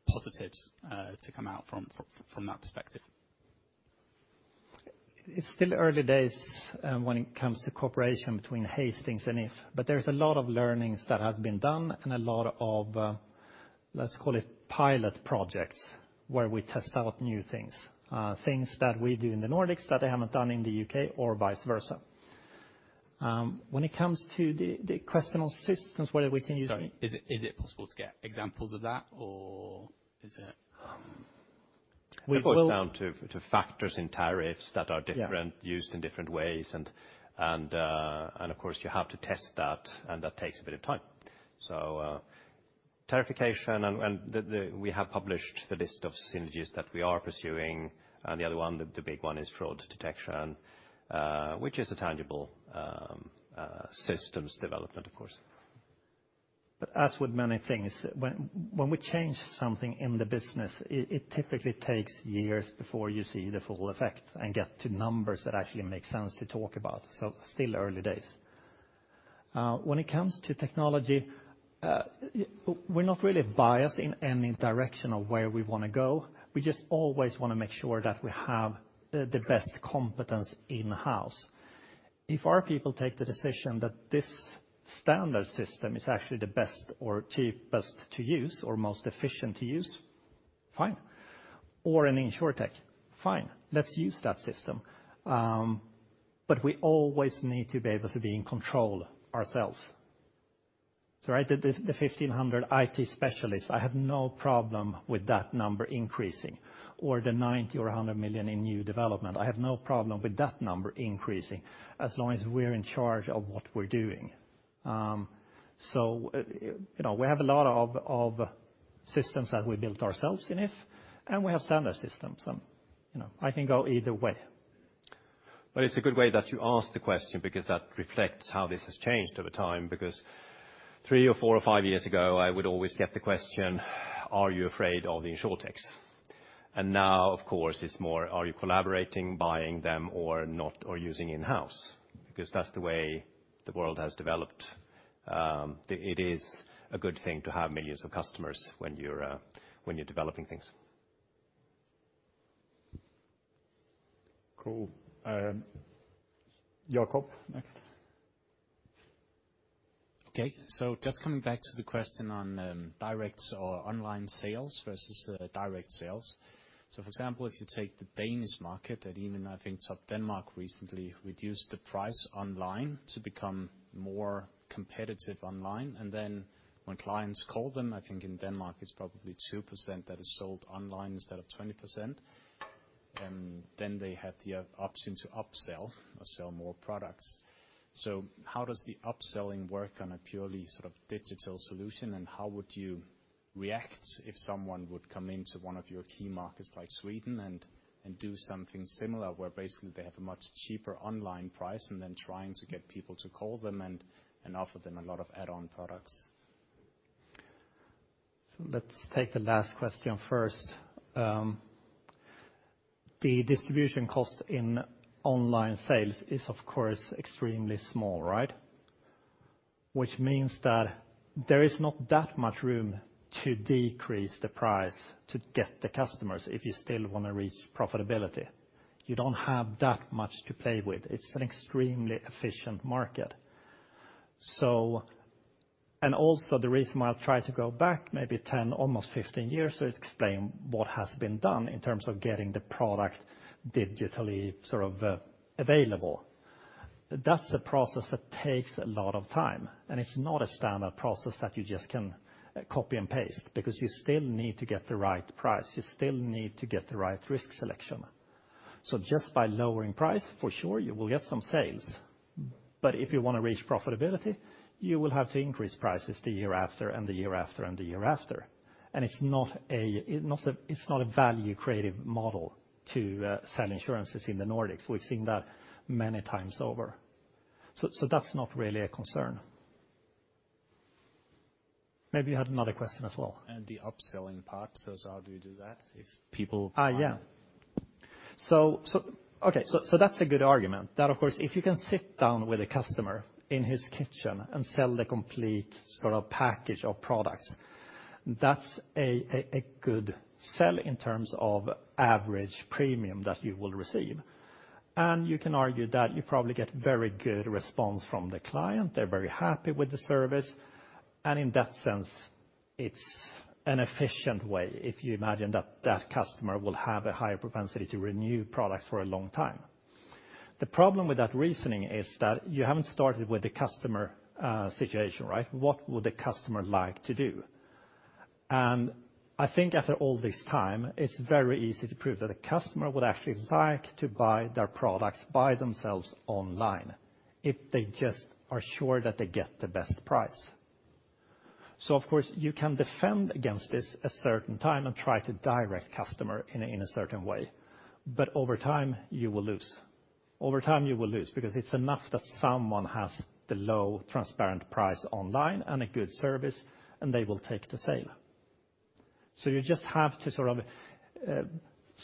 Speaker 9: positives to come out from that perspective?
Speaker 3: It's still early days, when it comes to cooperation between Hastings and If, but there's a lot of learnings that has been done and a lot of, let's call it pilot projects, where we test out new things that we do in the Nordics that they haven't done in the U.K. or vice versa. When it comes to the question on systems, whether we can use.
Speaker 9: Sorry. Is it possible to get examples of that, or is it
Speaker 5: It boils down to factors in tariffs that are different.
Speaker 3: Yeah
Speaker 5: Used in different ways, and of course you have to test that, and that takes a bit of time. Tariffication and we have published the list of synergies that we are pursuing, and the other one, the big one is fraud detection, which is a tangible development, of course.
Speaker 3: As with many things, when we change something in the business, it typically takes years before you see the full effect and get to numbers that actually make sense to talk about, so still early days. When it comes to technology, we're not really biased in any direction of where we wanna go. We just always wanna make sure that we have the best competence in-house. If our people take the decision that this standard system is actually the best or cheapest to use or most efficient to use, fine, or an insurtech, fine. Let's use that system. But we always need to be able to be in control ourselves. Right, the 1,500 IT specialists, I have no problem with that number increasing or the 90 million or 100 million in new development. I have no problem with that number increasing as long as we're in charge of what we're doing. You know, we have a lot of systems that we built ourselves in If, and we have standard systems. You know, I can go either way.
Speaker 5: It's a good way that you ask the question because that reflects how this has changed over time, because three or four or five years ago, I would always get the question, are you afraid of insurtechs? Now, of course, it's more, are you collaborating, buying them or not, or using in-house? Because that's the way the world has developed. It is a good thing to have millions of customers when you're developing things.
Speaker 1: Cool. Jacob next.
Speaker 10: Okay. Just coming back to the question on direct or online sales versus direct sales. For example, if you take the Danish market that even, I think, Topdanmark recently reduced the price online to become more competitive online, and then when clients call them, I think in Denmark it's probably 2% that is sold online instead of 20%, then they have the option to upsell or sell more products. How does the upselling work on a purely sort of digital solution, and how would you react if someone would come into one of your key markets like Sweden and do something similar, where basically they have a much cheaper online price and then trying to get people to call them and offer them a lot of add-on products?
Speaker 3: Let's take the last question first. The distribution cost in online sales is, of course, extremely small, right? Which means that there is not that much room to decrease the price to get the customers if you still wanna reach profitability. You don't have that much to play with. It's an extremely efficient market. Also, the reason why I try to go back maybe 10, almost 15 years to explain what has been done in terms of getting the product digitally, sort of, available, that's a process that takes a lot of time, and it's not a standard process that you just can, copy and paste, because you still need to get the right price. You still need to get the right risk selection. Just by lowering price, for sure, you will get some sales. If you wanna reach profitability, you will have to increase prices the year after and the year after and the year after. It's not a value-creative model to sell insurances in the Nordics. We've seen that many times over. That's not really a concern. Maybe you had another question as well.
Speaker 10: The upselling part, so how do you do that if people buy?
Speaker 3: That's a good argument. Of course, if you can sit down with a customer in his kitchen and sell the complete sort of package of products, that's a good sell in terms of average premium that you will receive. You can argue that you probably get very good response from the client. They're very happy with the service. In that sense, it's an efficient way if you imagine that customer will have a higher propensity to renew products for a long time. The problem with that reasoning is that you haven't started with the customer situation, right? What would the customer like to do? I think after all this time, it's very easy to prove that a customer would actually like to buy their products by themselves online if they just are sure that they get the best price. Of course, you can defend against this a certain time and try to direct customer in a certain way. Over time, you will lose. Over time, you will lose because it's enough that someone has the low transparent price online and a good service, and they will take the sale. You just have to sort of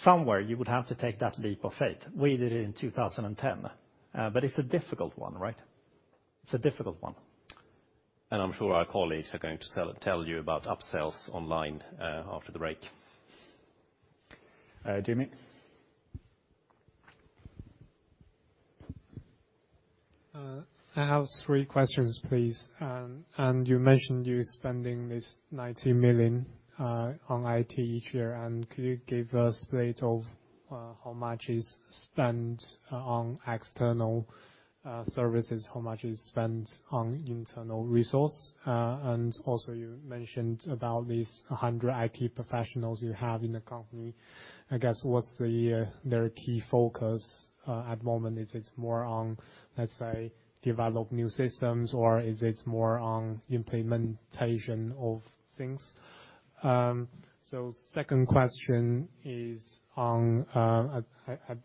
Speaker 3: somewhere you would have to take that leap of faith. We did it in 2010, but it's a difficult one, right? It's a difficult one.
Speaker 5: I'm sure our colleagues are going to tell you about upsells online, after the break.
Speaker 1: Jimmy.
Speaker 11: I have three questions, please. You mentioned you're spending this 90 million on IT each year. Could you give a split of how much is spent on external services, how much is spent on internal resource? Also you mentioned about these 100 IT professionals you have in the company. I guess, what's their key focus at moment? Is it more on, let's say, develop new systems, or is it more on implementation of things? Second question is on,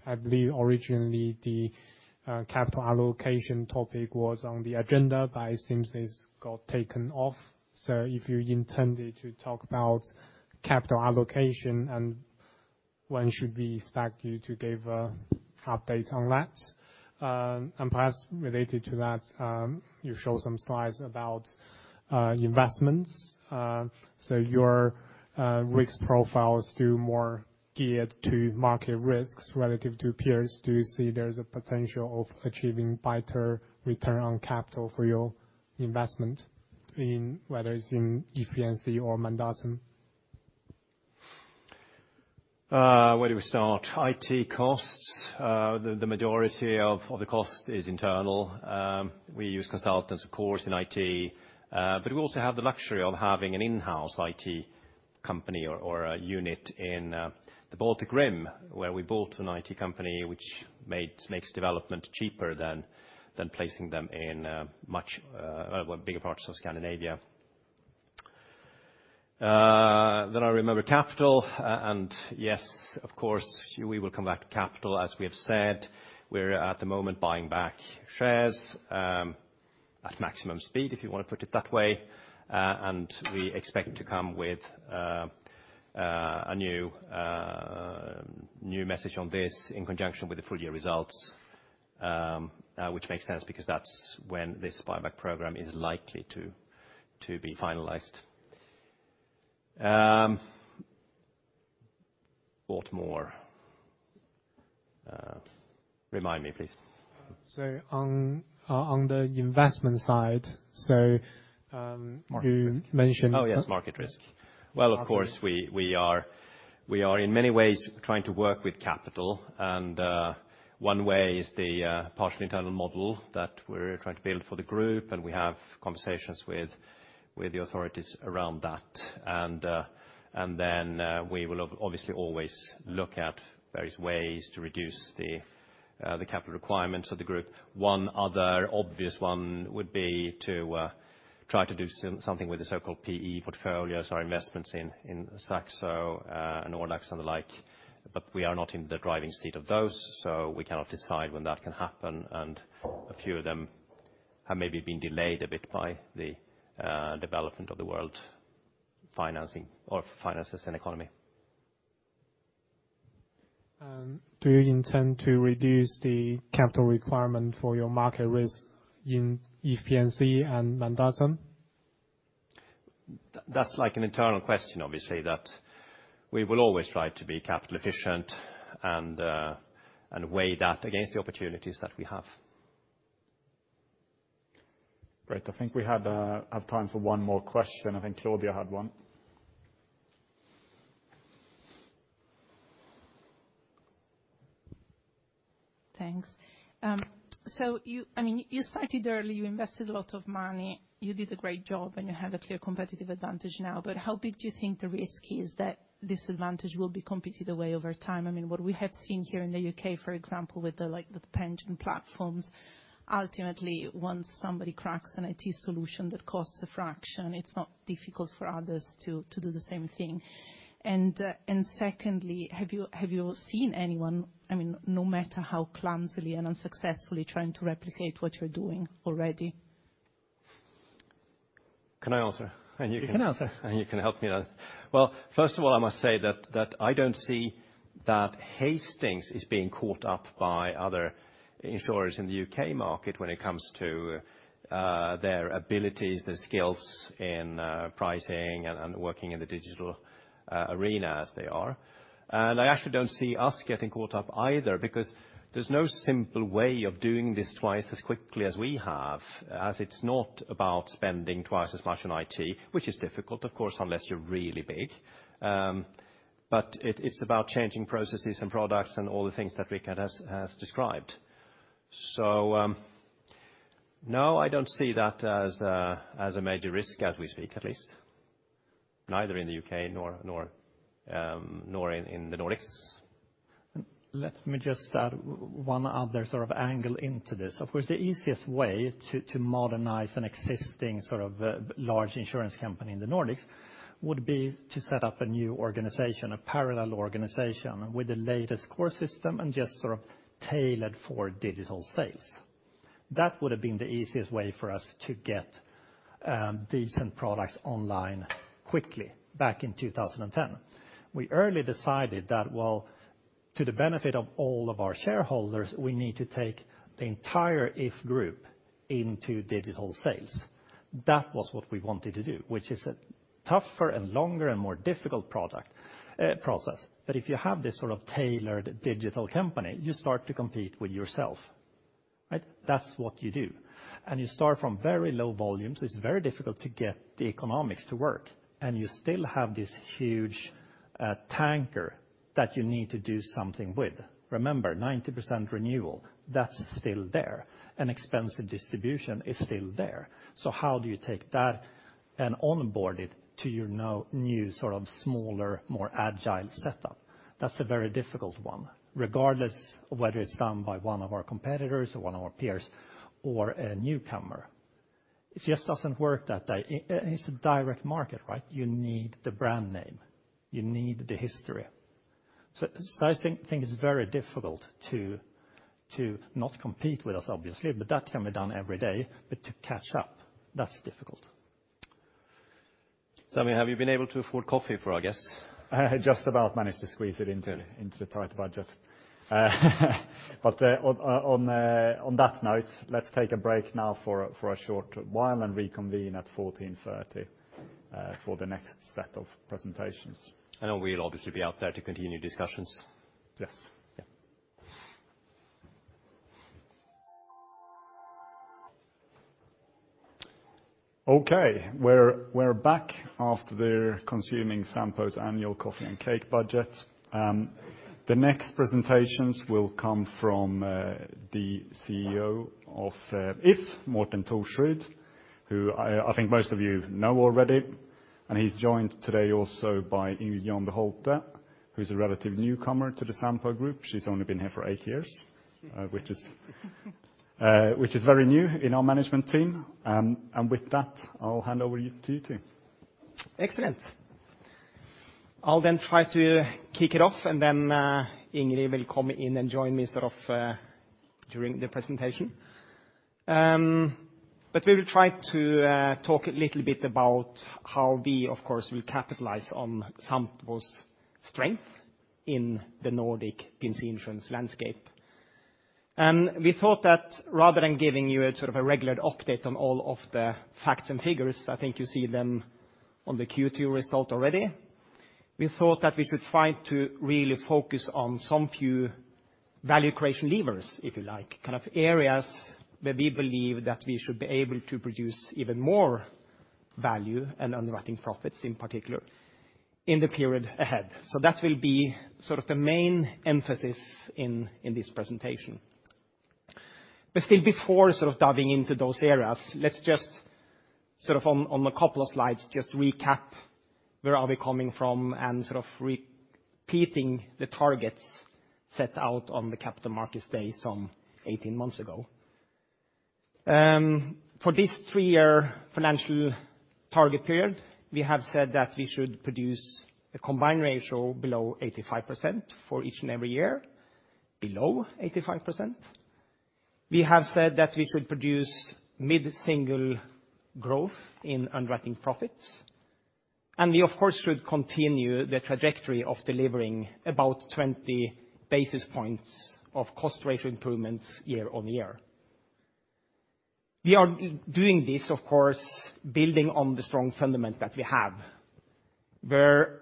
Speaker 11: I believe originally the capital allocation topic was on the agenda, but it seems it's got taken off. If you intended to talk about capital allocation, and when should we expect you to give a update on that? Perhaps related to that, you show some slides about investments. Your risk profile is still more geared to market risks relative to peers. Do you see there's a potential of achieving better return on capital for your investment in, whether it's in If P&C or Mandatum?
Speaker 5: Where do we start? IT costs, the majority of the cost is internal. We use consultants, of course, in IT, but we also have the luxury of having an in-house IT company or a unit in the Baltic Rim, where we bought an IT company which makes development cheaper than placing them in much bigger parts of Scandinavia. I remember capital. Yes, of course, we will come back to capital. As we have said, we're at the moment buying back shares at maximum speed, if you want to put it that way. We expect to come with a new message on this in conjunction with the full year results, which makes sense because that's when this buyback program is likely to be finalized. What more? Remind me, please.
Speaker 11: On the investment side.
Speaker 5: Market risk.
Speaker 11: You mentioned
Speaker 5: Oh, yes, market risk. Well, of course, we are in many ways trying to work with capital. One way is the partial internal model that we're trying to build for the group, and we have conversations with the authorities around that. We will obviously always look at various ways to reduce the capital requirements of the group. One other obvious one would be to try to do something with the so-called PE portfolios or investments in Saxo and Nordax and the like. We are not in the driving seat of those, so we cannot decide when that can happen. A few of them have maybe been delayed a bit by the development of the world's finances and economy.
Speaker 11: Do you intend to reduce the capital requirement for your market risk in If P&C and Mandatum?
Speaker 5: That's like an internal question, obviously, that we will always try to be capital efficient and weigh that against the opportunities that we have.
Speaker 1: Great. I think we have time for one more question. I think Claudia had one.
Speaker 12: Thanks. So you, I mean, you started early, you invested a lot of money, you did a great job, and you have a clear competitive advantage now. How big do you think the risk is that this advantage will be competed away over time? I mean, what we have seen here in the U.K., for example, with the, like, the pension platforms, ultimately, once somebody cracks an IT solution that costs a fraction, it's not difficult for others to do the same thing. Secondly, have you seen anyone, I mean, no matter how clumsily and unsuccessfully, trying to replicate what you're doing already?
Speaker 13: Can I answer?
Speaker 3: You can answer.
Speaker 14: You can help me out. Well, first of all, I must say that I don't see that Hastings is being caught up by other insurers in the U.K. Market when it comes to their abilities, their skills in pricing and working in the digital arena as they are. I actually don't see us getting caught up either, because there's no simple way of doing this twice as quickly as we have, as it's not about spending twice as much on IT, which is difficult of course, unless you're really big. It's about changing processes and products and all the things that Ricard has described. No, I don't see that as a major risk as we speak, at least, neither in the U.K., Nor in the Nordics.
Speaker 3: Let me just add one other sort of angle into this. Of course, the easiest way to modernize an existing sort of large insurance company in the Nordics would be to set up a new organization, a parallel organization with the latest core system and just sort of tailored for digital sales. That would've been the easiest way for us to get decent products online quickly back in 2010. We early decided that, well, to the benefit of all of our shareholders, we need to take the entire If Group into digital sales. That was what we wanted to do, which is a tougher and longer and more difficult product process. If you have this sort of tailored digital company, you start to compete with yourself, right? That's what you do, and you start from very low volumes. It's very difficult to get the economics to work, and you still have this huge tanker that you need to do something with. Remember, 90% renewal, that's still there. An expensive distribution is still there. How do you take that and onboard it to your now new sort of smaller, more agile setup? That's a very difficult one, regardless of whether it's done by one of our competitors or one of our peers or a newcomer. It just doesn't work that way. It's a direct market, right? You need the brand name. You need the history. I think it's very difficult to not compete with us, obviously, but that can be done every day. But to catch up, that's difficult.
Speaker 14: Sami, have you been able to afford coffee for our guests?
Speaker 1: Just about managed to squeeze it into.
Speaker 14: Really?
Speaker 1: Into the tight budget. On that note, let's take a break now for a short while and reconvene at 2:30 P.M. for the next set of presentations.
Speaker 14: We'll obviously be out there to continue discussions.
Speaker 1: Yes.
Speaker 3: Yeah.
Speaker 1: Okay. We're back after consuming Sampo's annual coffee and cake budget. The next presentations will come from the CEO of If, Morten Thorsrud, who I think most of you know already. He's joined today also by Ingrid Janbu Holthe, who's a relative newcomer to the Sampo Group. She's only been here for eight years. Which is very new in our management team. With that, I'll hand over to you two.
Speaker 14: Excellent. I'll then try to kick it off, and then Ingrid will come in and join me sort of during the presentation. We will try to talk a little bit about how we, of course, will capitalize on Sampo's strength in the Nordic pension insurance landscape. We thought that rather than giving you a sort of a regular update on all of the facts and figures, I think you see them on the Q2 result already. We thought that we should try to really focus on some few value creation levers, if you like, kind of areas where we believe that we should be able to produce even more value and underwriting profits in particular in the period ahead. That will be sort of the main emphasis in this presentation. Still before sort of diving into those areas, let's just sort of on a couple of slides, just recap where are we coming from and sort of repeating the targets set out on the capital markets day some 18 months ago. For this three-year financial target period, we have said that we should produce a combined ratio below 85% for each and every year, below 85%. We have said that we should produce mid-single growth in underwriting profits, and we of course should continue the trajectory of delivering about 20 basis points of cost ratio improvements year-over-year. We are doing this, of course, building on the strong fundament that we have, where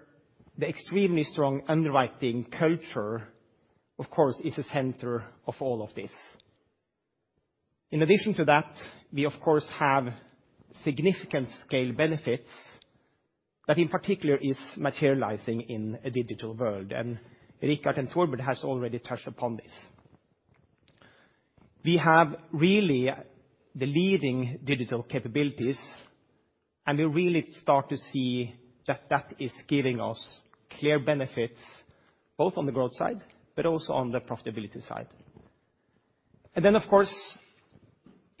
Speaker 14: the extremely strong underwriting culture, of course, is the center of all of this. In addition to that, we of course have significant scale benefits that in particular is materializing in a digital world, and Ricard and Torbjörn has already touched upon this. We have really the leading digital capabilities, and we really start to see that that is giving us clear benefits, both on the growth side, but also on the profitability side. Then of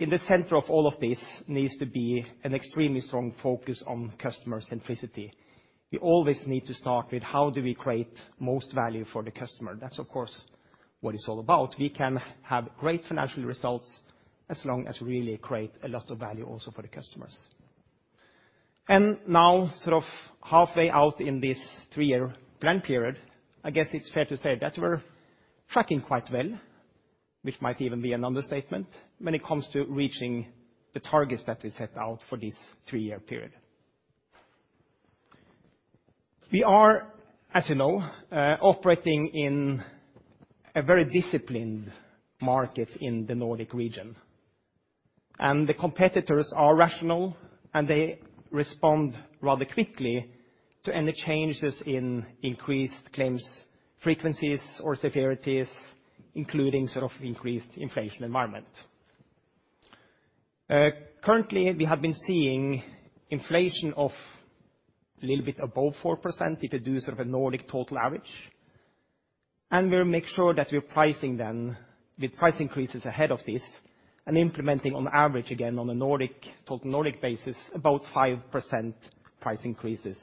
Speaker 14: course, in the center of all of this needs to be an extremely strong focus on customer centricity. We always need to start with how do we create most value for the customer. That's of course what it's all about. We can have great financial results as long as we really create a lot of value also for the customers. Now sort of halfway out in this three-year plan period, I guess it's fair to say that we're tracking quite well, which might even be an understatement when it comes to reaching the targets that we set out for this three-year period. We are, as you know, operating in a very disciplined market in the Nordic region, and the competitors are rational, and they respond rather quickly to any changes in increased claims, frequencies or severities, including sort of increased inflation environment. Currently, we have been seeing inflation of a little bit above 4% if you do sort of a Nordic total average, and we'll make sure that we're pricing them with price increases ahead of this and implementing on average again on a Nordic, total Nordic basis, about 5% price increases.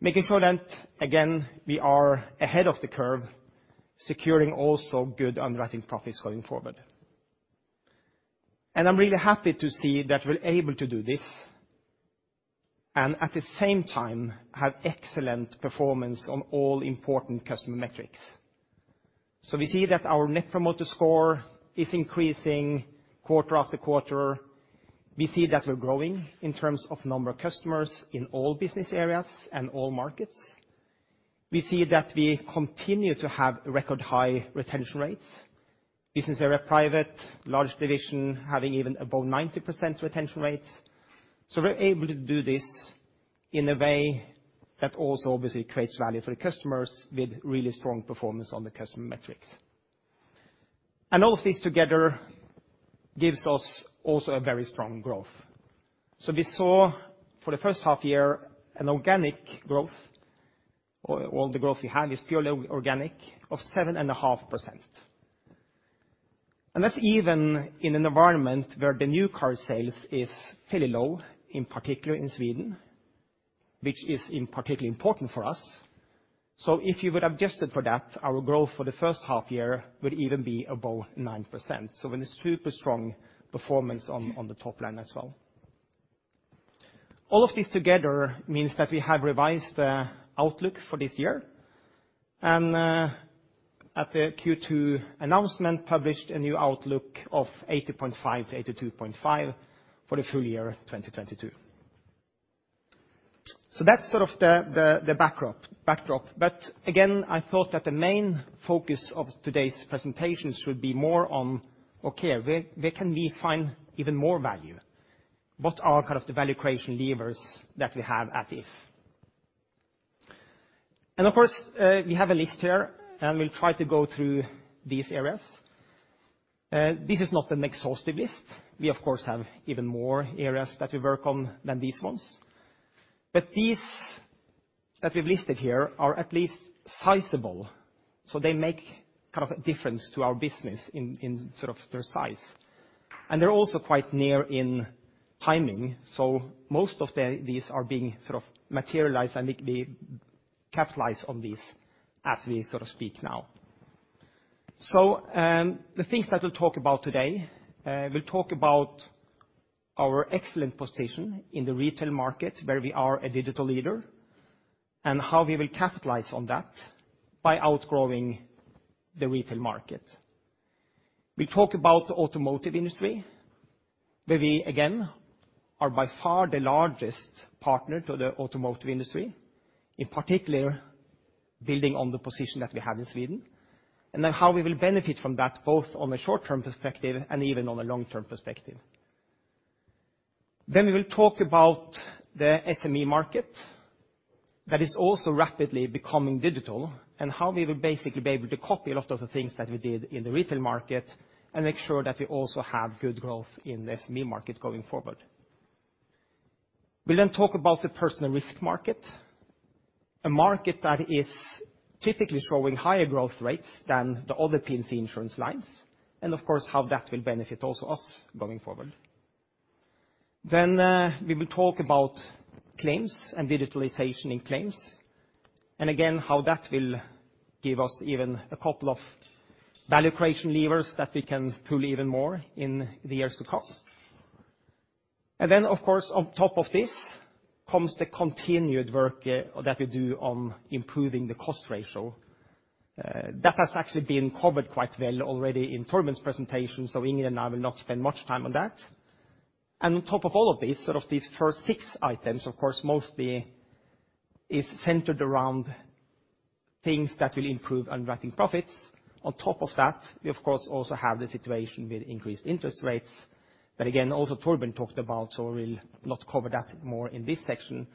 Speaker 14: Making sure that, again, we are ahead of the curve, securing also good underwriting profits going forward. I'm really happy to see that we're able to do this, and at the same time, have excellent performance on all important customer metrics. We see that our Net Promoter Score is increasing quarter after quarter. We see that we're growing in terms of number of customers in all business areas and all markets. We see that we continue to have record high retention rates. BA Private, large division, having even above 90% retention rates. We're able to do this in a way that also obviously creates value for the customers with really strong performance on the customer metrics. All of this together gives us also a very strong growth. We saw for the first half year an organic growth, or all the growth we have is purely organic, of 7.5%. That's even in an environment where the new car sales is fairly low, in particular in Sweden, which is particularly important for us. If you would adjust it for that, our growth for the first half year would even be above 9%. With a super strong performance on the top line as well. All of this together means that we have revised the outlook for this year. At the Q2 announcement, published a new outlook of 80.5-82.5 for the full year of 2022. That's sort of the backdrop. Again, I thought that the main focus of today's presentations should be more on, okay, where can we find even more value? What are kind of the value creation levers that we have at If? And of course, we have a list here, and we'll try to go through these areas. This is not an exhaustive list. We of course have even more areas that we work on than these ones. These that we've listed here are at least sizable. They make kind of a difference to our business in sort of their size. They're also quite near in timing. Most of these are being sort of materialized, and we capitalize on these as we sort of speak now. The things that we'll talk about today, we'll talk about our excellent position in the retail market, where we are a digital leader, and how we will capitalize on that by outgrowing the retail market. We talk about the automotive industry, where we again are by far the largest partner to the automotive industry, in particular building on the position that we have in Sweden, and then how we will benefit from that both on a short-term perspective and even on a long-term perspective. We will talk about the SME market that is also rapidly becoming digital and how we will basically be able to copy a lot of the things that we did in the retail market and make sure that we also have good growth in the SME market going forward. We'll then talk about the personal risk market, a market that is typically showing higher growth rates than the other P&C insurance lines, and of course, how that will benefit also us going forward. We will talk about claims and digitalization in claims, and again, how that will give us even a couple of value creation levers that we can pull even more in the years to come. On top of this comes the continued work that we do on improving the cost ratio. That has actually been covered quite well already in Torbjörn's presentation, so Ingrid and I will not spend much time on that. On top of all of this, sort of these first six items, of course, mostly is centered around things that will improve underwriting profits. On top of that, we of course also have the situation with increased interest rates. That again, also Torbjörn talked about, so we'll not cover that more in this section.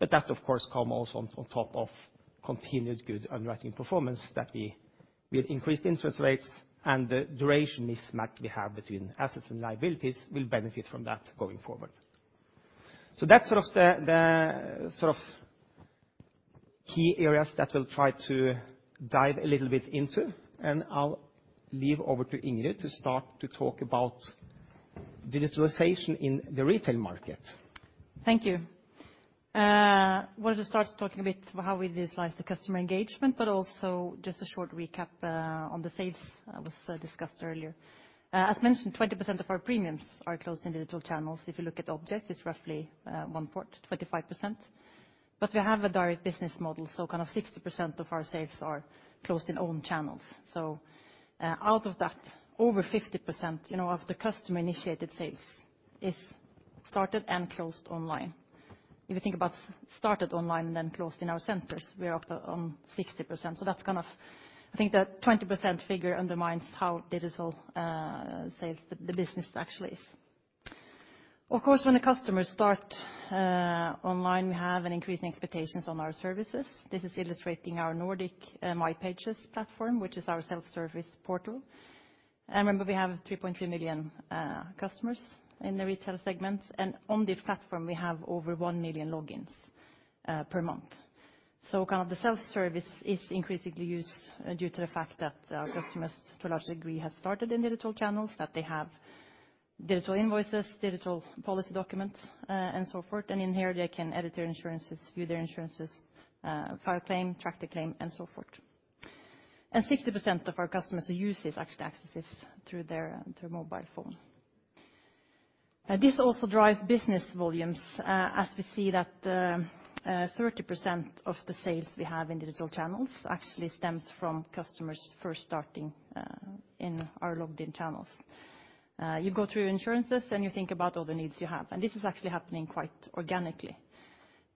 Speaker 14: That of course come also on top of continued good underwriting performance that we, with increased interest rates and the duration mismatch we have between assets and liabilities will benefit from that going forward. That's sort of the key areas that we'll try to dive a little bit into, and I'll hand over to Ingrid to start to talk about
Speaker 15: Digitalization in the retail market Thank you. Wanted to start talking a bit how we digitalize the customer engagement, but also just a short recap on the sales was discussed earlier. As mentioned, 20% of our premiums are closed in digital channels. If you look at objects, it's roughly 25%. We have a direct business model, so kind of 60% of our sales are closed in own channels. Out of that, over 50%, you know, of the customer-initiated sales is started and closed online. If you think about started online, then closed in our centers, we are up on 60%. That's kind of. I think that 20% figure undermines how digital sales the business actually is. Of course, when the customers start online, we have increasing expectations on our services. This is illustrating our Nordic MyPages platform, which is our self-service portal. Remember, we have 3.3 million customers in the retail segment, and on this platform, we have over 1 million logins per month. Kind of the self-service is increasingly used due to the fact that our customers, to a large degree, have started in digital channels, that they have digital invoices, digital policy documents, and so forth. In here, they can edit their insurances, view their insurances, file a claim, track the claim, and so forth. Sixty percent of our customers who use this actually access this through their mobile phone. This also drives business volumes as we see that 30% of the sales we have in digital channels actually stems from customers first starting in our logged-in channels. You go through insurances, and you think about all the needs you have. This is actually happening quite organically.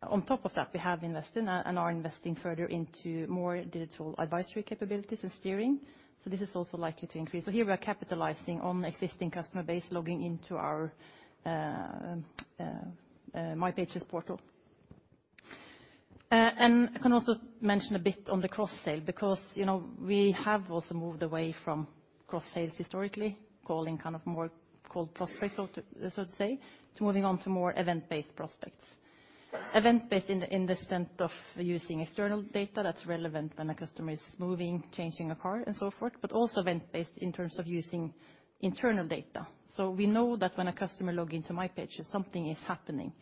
Speaker 15: On top of that, we have invested and are investing further into more digital advisory capabilities and steering, so this is also likely to increase. Here, we are capitalizing on existing customer base logging into our MyPages portal. I can also mention a bit on the cross-sale because, you know, we have also moved away from cross-sales historically, calling kind of more cold prospects so to say, to moving on to more event-based prospects. Event-based in the sense of using external data that's relevant when a customer is moving, changing a car, and so forth, but also event-based in terms of using internal data. We know that when a customer logs into MyPages, something is happening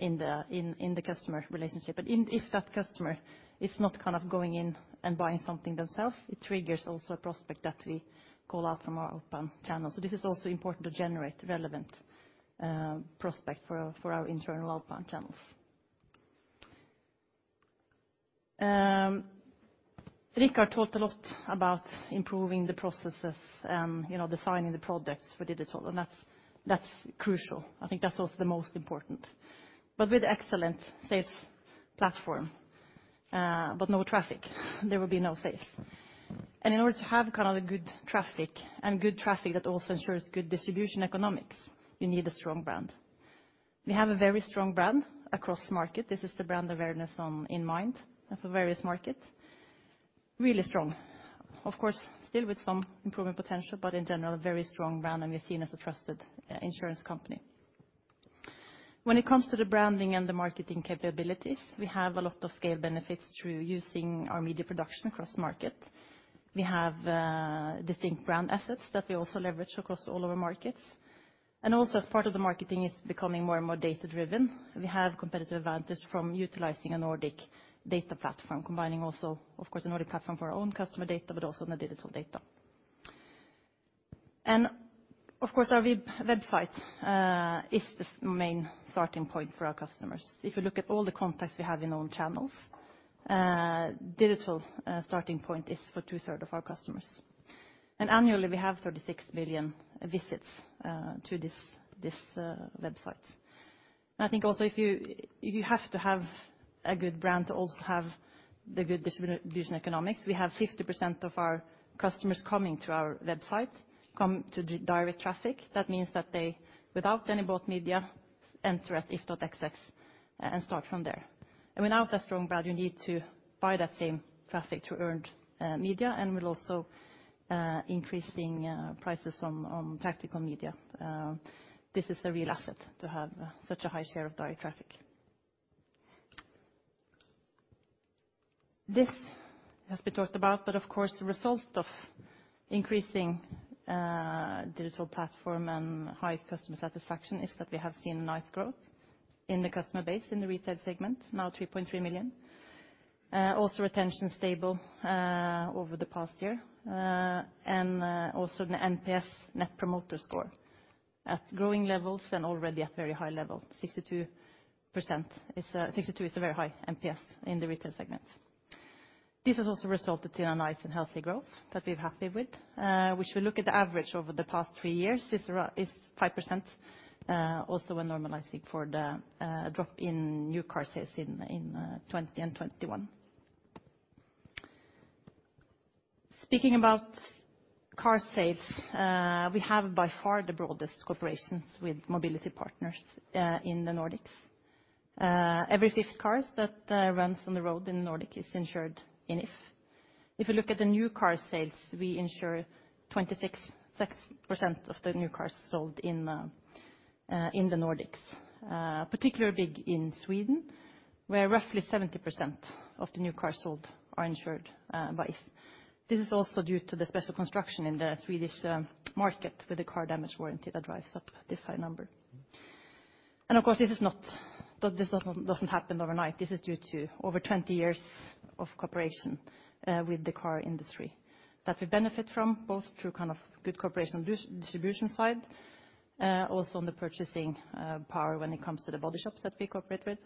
Speaker 15: in the customer relationship. If that customer is not kind of going in and buying something themselves, it triggers also a prospect that we call out from our outbound channels. This is also important to generate relevant prospect for our internal outbound channels. Ricard talked a lot about improving the processes and, you know, designing the products for digital, and that's crucial. I think that's also the most important. With excellent sales platform, but no traffic, there will be no sales. In order to have kind of a good traffic and good traffic that also ensures good distribution economics, you need a strong brand. We have a very strong brand across markets. This is the brand awareness top of mind of various markets. Really strong. Of course, still with some improvement potential, but in general, a very strong brand, and we're seen as a trusted insurance company. When it comes to the branding and the marketing capabilities, we have a lot of scale benefits through using our media production across markets. We have distinct brand assets that we also leverage across all our markets. Also as part of the marketing is becoming more and more data-driven. We have competitive advantage from utilizing a Nordic data platform, combining also, of course, a Nordic platform for our own customer data, but also the digital data. Of course, our website is the main starting point for our customers. If you look at all the contacts we have in own channels, digital starting point is for two-thirds of our customers. Annually, we have 36 million visits to this website. I think also if you have to have a good brand to also have the good distribution economics. We have 50% of our customers coming to our website come to direct traffic. That means that they, without any bought media, enter at if.se and start from there. Without a strong brand, you need to buy that same traffic through earned media and with also increasing prices on tactical media. This is a real asset to have such a high share of direct traffic. This has been talked about, but of course, the result of increasing digital platform and high customer satisfaction is that we have seen nice growth in the customer base in the retail segment, now 3.3 million. Also retention stable over the past year. Also the NPS, net promoter score, at growing levels and already at very high level. 62% is a very high NPS in the retail segment. This has also resulted in a nice and healthy growth that we're happy with. Which we look at the average over the past three years is 5%, also when normalizing for the drop in new car sales in 2020 and 2021. Speaking about car sales, we have by far the broadest cooperations with mobility partners in the Nordics. Every fifth car that runs on the road in the Nordics is insured in If. If you look at the new car sales, we insure 26% of the new cars sold in the Nordics, particularly big in Sweden, where roughly 70% of the new cars sold are insured by If. This is also due to the special construction in the Swedish market with the collision damage warranty that drives up this high number. Of course, this doesn't happen overnight. This is due to over 20 years of cooperation with the car industry that we benefit from, both through kind of good cooperation distribution side, also on the purchasing power when it comes to the body shops that we cooperate with.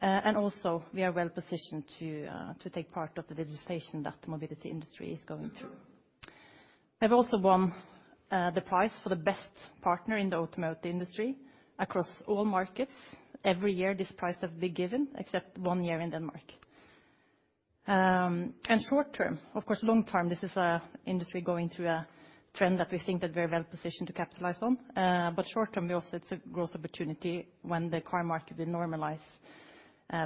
Speaker 15: And also we are well positioned to take part of the digitization that the mobility industry is going through. have also won the prize for the best partner in the automotive industry across all markets. Every year, this prize has been given, except one year in Denmark. Short term, of course long term this is an industry going through a trend that we think that we're well positioned to capitalize on. Short term we also see growth opportunity when the car market will normalize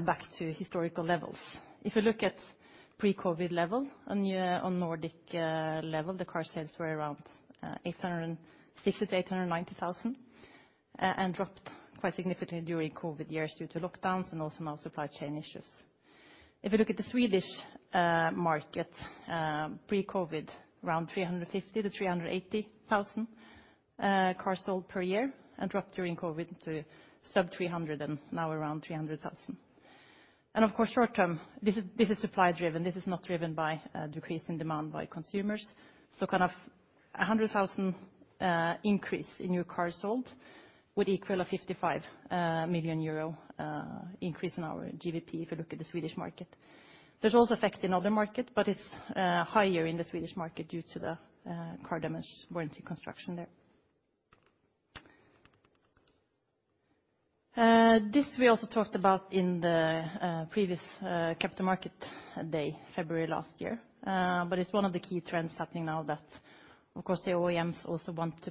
Speaker 15: back to historical levels. If you look at pre-COVID level year-on-year on Nordic level, the car sales were around 860,000-890,000 and dropped quite significantly during COVID years due to lockdowns and also now supply chain issues. If you look at the Swedish market, pre-COVID, around 350,000-380,000 cars sold per year and dropped during COVID to sub-300 and now around 300,000. Of course, short term, this is supply driven. This is not driven by a decrease in demand by consumers. Kind of 100,000 increase in new cars sold would equal a 55 million euro increase in our GWP if you look at the Swedish market. There's also effect in other markets, but it's higher in the Swedish market due to the collision damage warranty construction there. This we also talked about in the previous Capital Markets Day, February last year. It's one of the key trends happening now that, of course, the OEMs also want to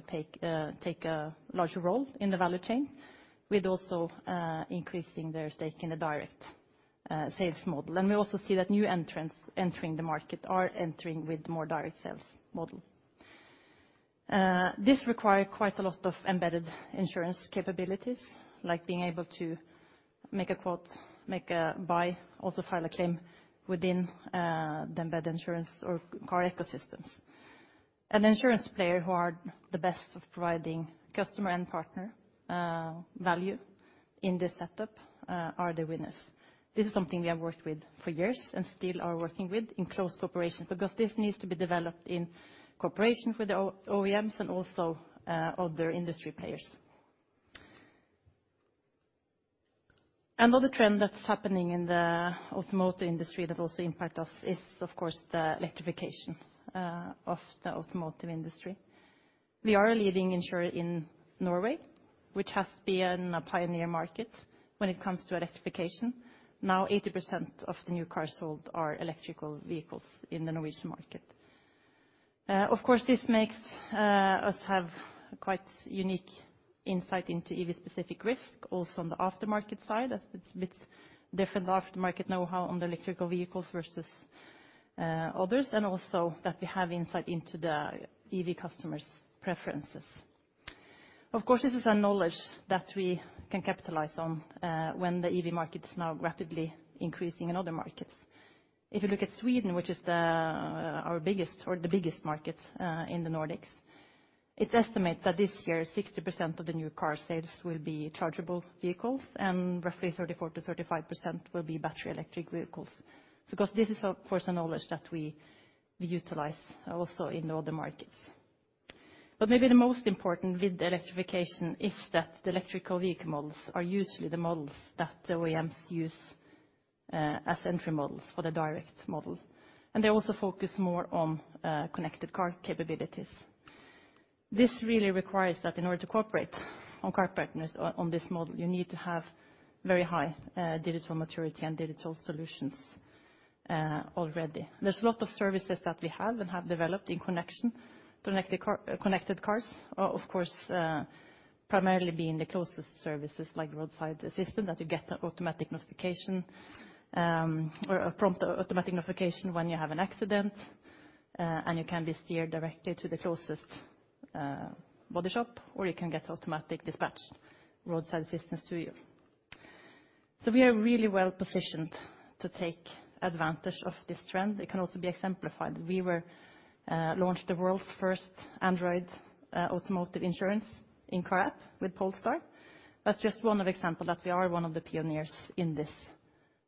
Speaker 15: take a larger role in the value chain with also increasing their stake in the direct sales model. We also see that new entrants entering the market are entering with more direct sales model. This require quite a lot of embedded insurance capabilities, like being able to make a quote, make a buy, also file a claim within the embedded insurance or car ecosystems. An insurance player who are the best of providing customer and partner value in this setup are the winners. This is something we have worked with for years and still are working with in close cooperation, because this needs to be developed in cooperation with the OEMs and also other industry players. Another trend that's happening in the automotive industry that also impacts us is, of course, the electrification of the automotive industry. We are a leading insurer in Norway, which has been a pioneer market when it comes to electrification. Now 80% of the new cars sold are electric vehicles in the Norwegian market. Of course, this makes us have quite unique insight into EV-specific risk, also on the aftermarket side, as it's a bit different aftermarket know-how on the electric vehicles versus others. We also have insight into the EV customers' preferences. Of course, this is a knowledge that we can capitalize on when the EV market is now rapidly increasing in other markets. If you look at Sweden, which is our biggest or the biggest markets in the Nordics, it's estimated that this year 60% of the new car sales will be chargeable vehicles and roughly 34%-35% will be battery electric vehicles. Of course, this is knowledge that we utilize also in the other markets. Maybe the most important with the electrification is that the electric vehicle models are usually the models that the OEMs use as entry models for the direct model, and they also focus more on connected car capabilities. This really requires that in order to cooperate with car partners on this model, you need to have very high digital maturity and digital solutions already. There's a lot of services that we have and have developed in connection with connected cars. Of course, primarily being the closest services like roadside assistance, that you get automatic notification, or a prompt automatic notification when you have an accident, and you can be steered directly to the closest body shop, or you can get automatic dispatched roadside assistance to you. We are really well positioned to take advantage of this trend. It can also be exemplified. We launched the world's first Android Automotive insurance in-car app with Polestar. That's just one example that we are one of the pioneers in this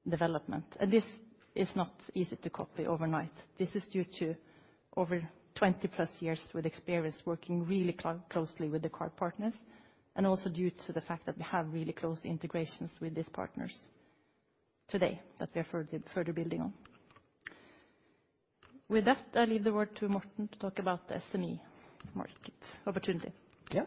Speaker 15: development. This is not easy to copy overnight. This is due to over 20+ years with experience working really closely with the car partners and also due to the fact that we have really close integrations with these partners today that we are further building on. With that, I leave the word to Morten Thorsrud to talk about the SME market opportunity. Yeah.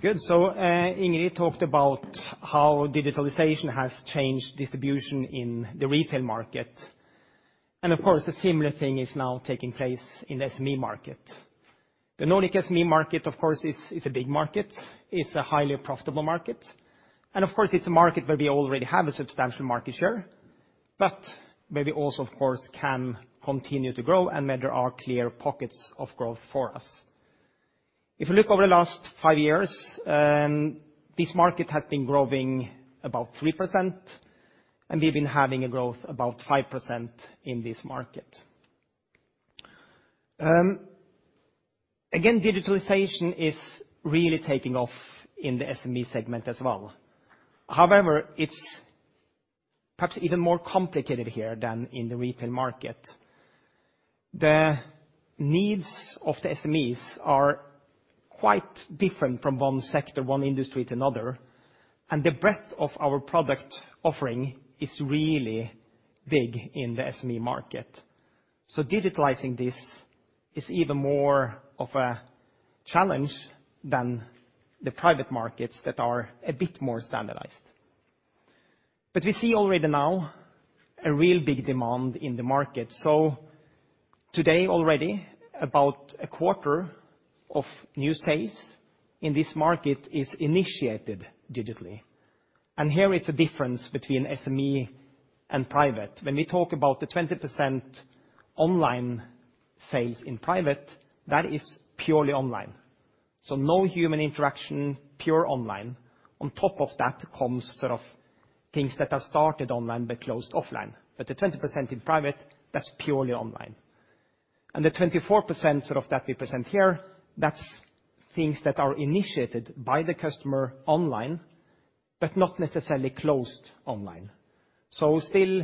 Speaker 14: Good. Ingrid talked about how digitalization has changed distribution in the retail market. Of course, a similar thing is now taking place in the SME market. The Nordic SME market, of course, is a big market. It's a highly profitable market. Of course, it's a market where we already have a substantial market share. Maybe also, of course, can continue to grow and where there are clear pockets of growth for us. If you look over the last five years, this market has been growing about 3%, and we've been having a growth about 5% in this market. Again, digitalization is really taking off in the SME segment as well. However, it's perhaps even more complicated here than in the retail market. The needs of the SMEs are quite different from one sector, one industry to another, and the breadth of our product offering is really big in the SME market. Digitalizing this is even more of a challenge than the private markets that are a bit more standardized. We see already now a real big demand in the market. Today already, about a quarter of new sales in this market is initiated digitally. Here it's a difference between SME and private. When we talk about the 20% online sales in private, that is purely online. No human interaction, pure online. On top of that comes sort of things that are started online but closed offline. The 20% in private, that's purely online. The 24% of that we present here, that's things that are initiated by the customer online, but not necessarily closed online. Still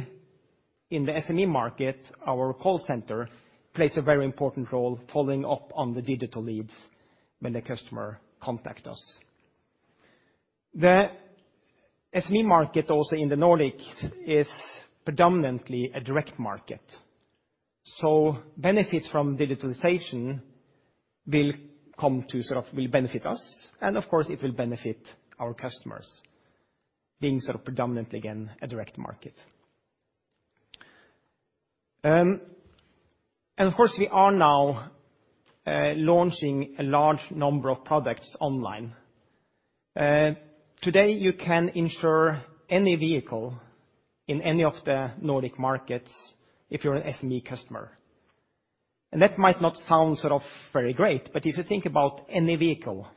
Speaker 14: in the SME market, our call center plays a very important role following up on the digital leads when the customer contact us. The SME market also in the Nordics is predominantly a direct market. Benefits from digitalization will benefit us, and of course, it will benefit our customers, being sort of predominantly, again, a direct market. Of course, we are now launching a large number of products online. Today, you can insure any vehicle in any of the Nordic markets if you're an SME customer. That might not sound sort of very great, but if you think about any vehicle,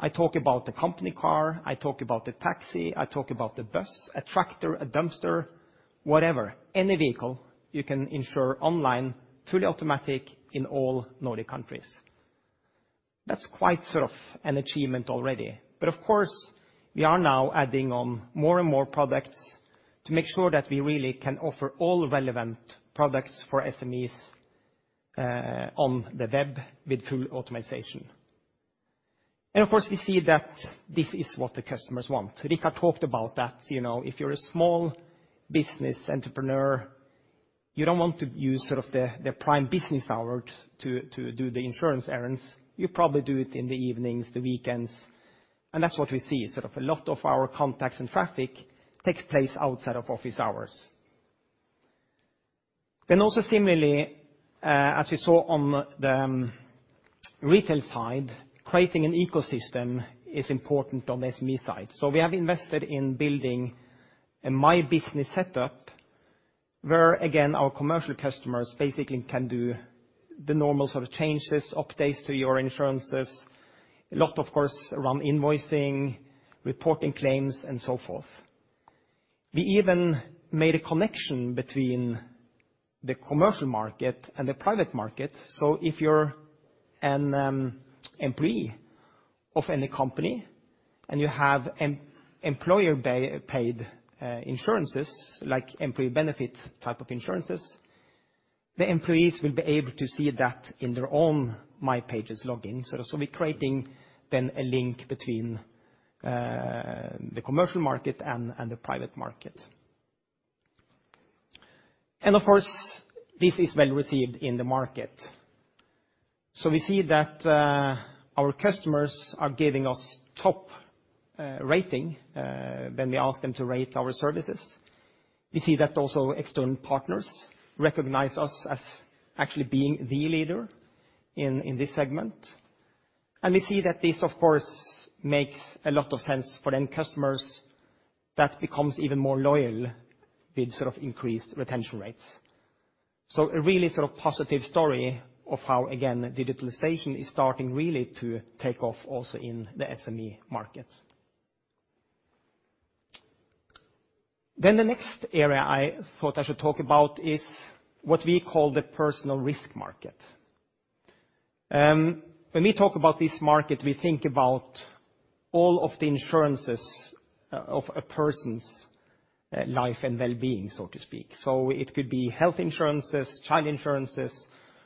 Speaker 14: I talk about the company car, I talk about the taxi, I talk about the bus, a tractor, a dumpster, whatever, any vehicle you can insure online, fully automatic in all Nordic countries. That's quite sort of an achievement already. Of course, we are now adding on more and more products to make sure that we really can offer all relevant products for SMEs on the web with full optimization. Of course, we see that this is what the customers want. Ricard talked about that, you know, if you're a small business entrepreneur, you don't want to use sort of the prime business hours to do the insurance errands. You probably do it in the evenings, the weekends. That's what we see. Sort of a lot of our contacts and traffic takes place outside of office hours. Also similarly, as we saw on the retail side, creating an ecosystem is important on the SME side. We have invested in building a my business setup, where again, our commercial customers basically can do the normal sort of changes, updates to your insurances, a lot of course around invoicing, reporting claims, and so forth. We even made a connection between the commercial market and the private market. If you're an employee of any company and you have employer-paid insurances, like employee benefits type of insurances, the employees will be able to see that in their own My Pages login. We're creating then a link between the commercial market and the private market. Of course, this is well received in the market. We see that our customers are giving us top rating when we ask them to rate our services. We see that also external partners recognize us as actually being the leader in this segment. We see that this of course makes a lot of sense for end customers that becomes even more loyal with sort of increased retention rates. A really sort of positive story of how again, digitalization is starting really to take off also in the SME market. The next area I thought I should talk about is what we call the personal risk market. When we talk about this market, we think about all of the insurances of a person's life and well-being, so to speak. It could be health insurances, child insurances,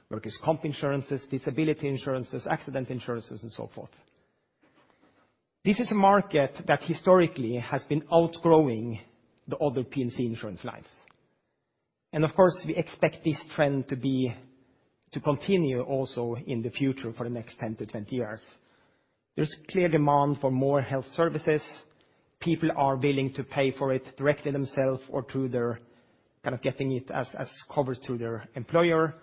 Speaker 14: workers' comp insurances, disability insurances, accident insurances, and so forth. This is a market that historically has been outgrowing the other P&C insurance lines. Of course, we expect this trend to be, to continue also in the future for the next 10-20 years. There's clear demand for more health services. People are willing to pay for it directly themselves or through their, kind of getting it as coverage through their employer.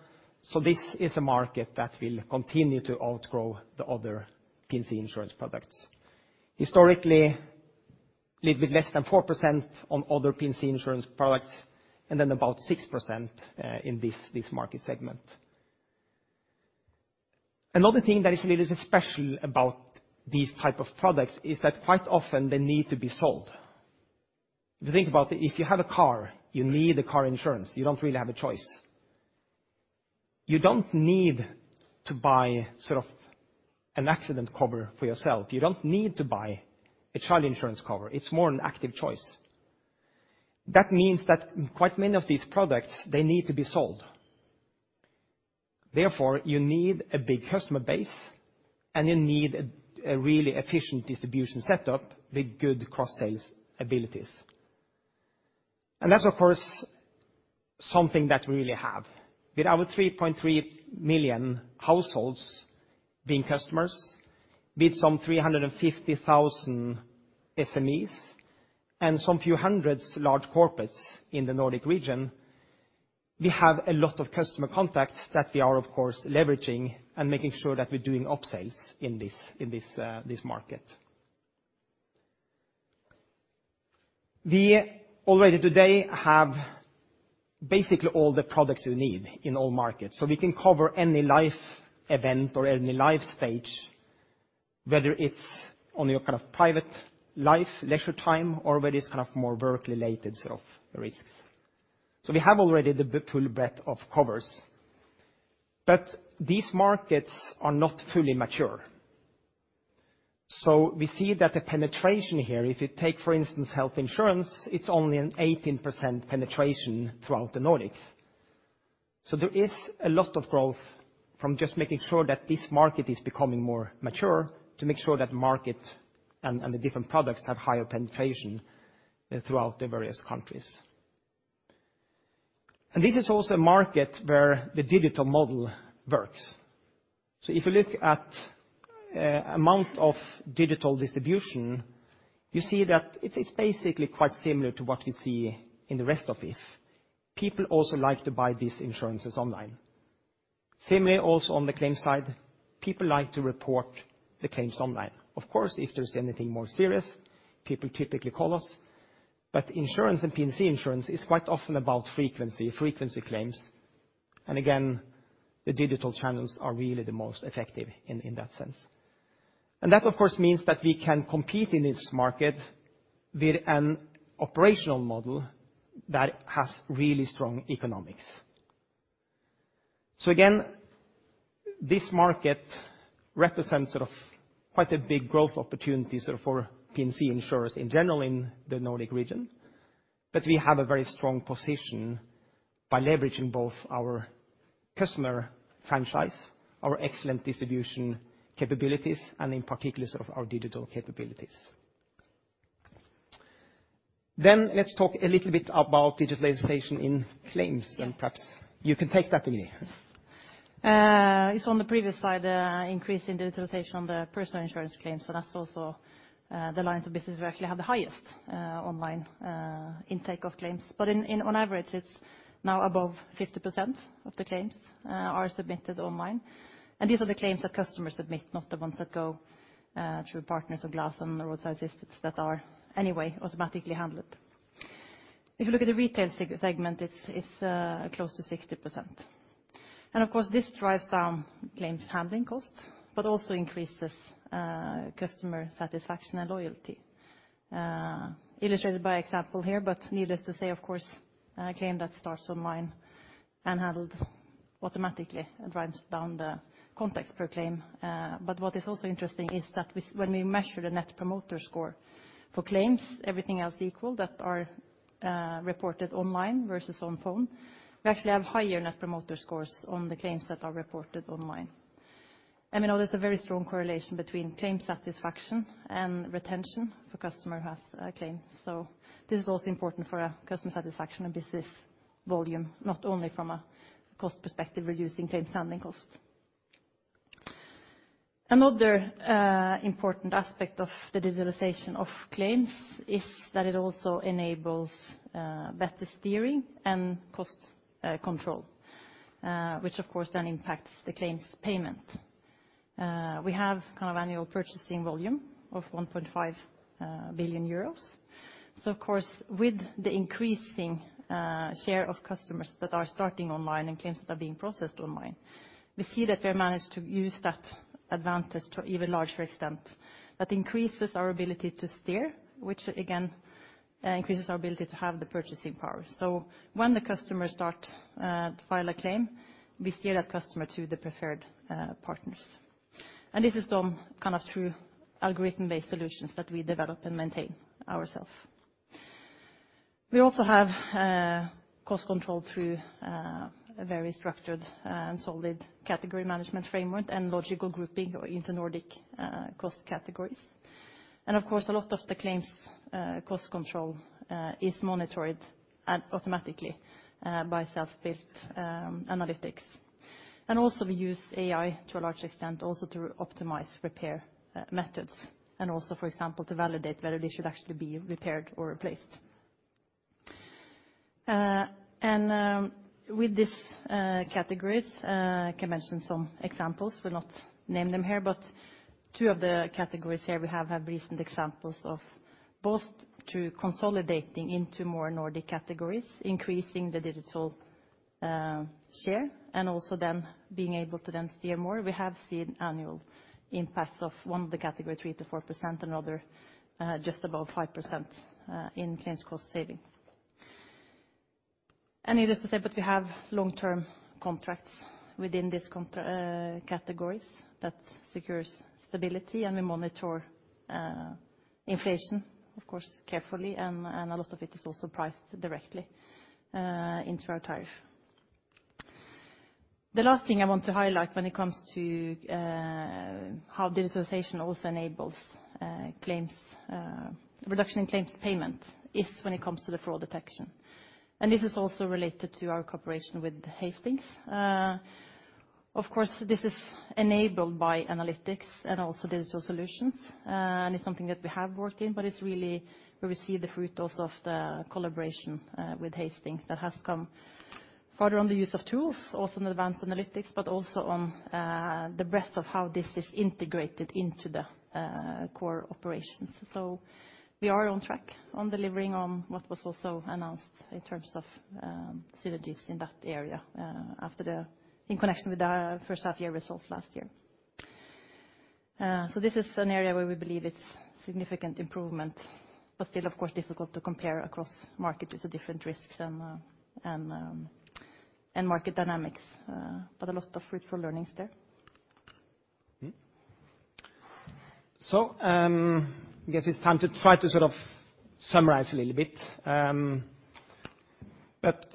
Speaker 14: This is a market that will continue to outgrow the other P&C insurance products. Historically, little bit less than 4% on other P&C insurance products, and then about 6% in this market segment. Another thing that is a little bit special about these type of products is that quite often they need to be sold. If you think about if you have a car, you need a car insurance, you don't really have a choice. You don't need to buy sort of an accident cover for yourself. You don't need to buy a child insurance cover. It's more an active choice. That means that quite many of these products, they need to be sold. Therefore, you need a big customer base, and you need a really efficient distribution set up with good cross sales abilities. That's, of course, something that we really have. With our 3.3 million households being customers, with some 350,000 SMEs, and some few hundred large corporates in the Nordic region, we have a lot of customer contacts that we are, of course, leveraging and making sure that we're doing up-sales in this market. We already today have basically all the products you need in all markets. We can cover any life event or any life stage, whether it's on your kind of private life, leisure time or whether it's kind of more work-related sort of risks. We have already the full breadth of covers. These markets are not fully mature. We see that the penetration here, if you take, for instance, health insurance, it's only an 18% penetration throughout the Nordics. There is a lot of growth from just making sure that this market is becoming more mature, to make sure that market and the different products have higher penetration throughout the various countries. This is also a market where the digital model works. If you look at amount of digital distribution, you see that it's basically quite similar to what you see in the rest of If. People also like to buy these insurances online. Similarly, also on the claims side, people like to report the claims online. Of course, if there's anything more serious, people typically call us. Insurance and P&C insurance is quite often about frequency claims. The digital channels are really the most effective in that sense. That, of course, means that we can compete in this market with an operational model that has really strong economics. This market represents sort of quite a big growth opportunity sort of for P&C insurers in general in the Nordic region. We have a very strong position by leveraging both our customer franchise, our excellent distribution capabilities, and in particular sort of our digital capabilities. Let's talk a little bit about digitalization in claims, and perhaps you can take that, Ingrid Holthe.
Speaker 15: It's on the previous slide, increase in digitalization on the personal insurance claims. That's also the lines of business we actually have the highest online intake of claims. On average, it's now above 50% of the claims are submitted online. These are the claims that customers submit, not the ones that go through partners of glass and roadside assistance that are anyway automatically handled. If you look at the retail segment, it's close to 60%. Of course, this drives down claims handling costs, but also increases customer satisfaction and loyalty. Illustrated by example here, but needless to say, of course, a claim that starts online and handled automatically drives down the contacts per claim. What is also interesting is that when we measure the net promoter score for claims, everything else equal that are reported online versus on phone, we actually have higher net promoter scores on the claims that are reported online. We know there's a very strong correlation between claim satisfaction and retention for customer who has a claim. This is also important for a customer satisfaction and business volume, not only from a cost perspective, reducing claims handling cost. Another important aspect of the digitalization of claims is that it also enables better steering and cost control, which of course then impacts the claims payment. We have kind of annual purchasing volume of 1.5 billion euros. Of course, with the increasing share of customers that are starting online and claims that are being processed online, we see that we have managed to use that advantage to even larger extent. That increases our ability to steer, which again increases our ability to have the purchasing power. When the customers start to file a claim, we steer that customer to the preferred partners. This is done kind of through algorithm-based solutions that we develop and maintain ourselves. We also have cost control through a very structured and solid category management framework and logical grouping of into Nordic cost categories. Of course, a lot of the claims cost control is monitored automatically by self-built analytics. We use AI to a large extent also to optimize repair methods and also, for example, to validate whether they should actually be repaired or replaced. With this categories, can mention some examples. Will not name them here, but two of the categories here we have had recent examples of both through consolidating into more Nordic categories, increasing the digital share, and also then being able to then steer more. We have seen annual impacts of one of the category 3%-4%, another just above 5% in claims cost saving. Needless to say, but we have long-term contracts within this contract categories that secures stability, and we monitor inflation, of course, carefully and a lot of it is also priced directly into our tariff. The last thing I want to highlight when it comes to how digitalization also enables claims reduction in claims payment is when it comes to the fraud detection, and this is also related to our cooperation with Hastings. Of course, this is enabled by analytics and also digital solutions, and it's something that we have worked in, but it's really where we see the fruit also of the collaboration with Hastings that has come farther on the use of tools, also in advanced analytics, but also on the breadth of how this is integrated into the core operations. We are on track on delivering on what was also announced in terms of synergies in that area after the, in connection with our first half year results last year. This is an area where we believe it's significant improvement, but still, of course, difficult to compare across markets with the different risks and market dynamics. A lot of fruitful learnings there.
Speaker 3: Guess it's time to try to sort of summarize a little bit.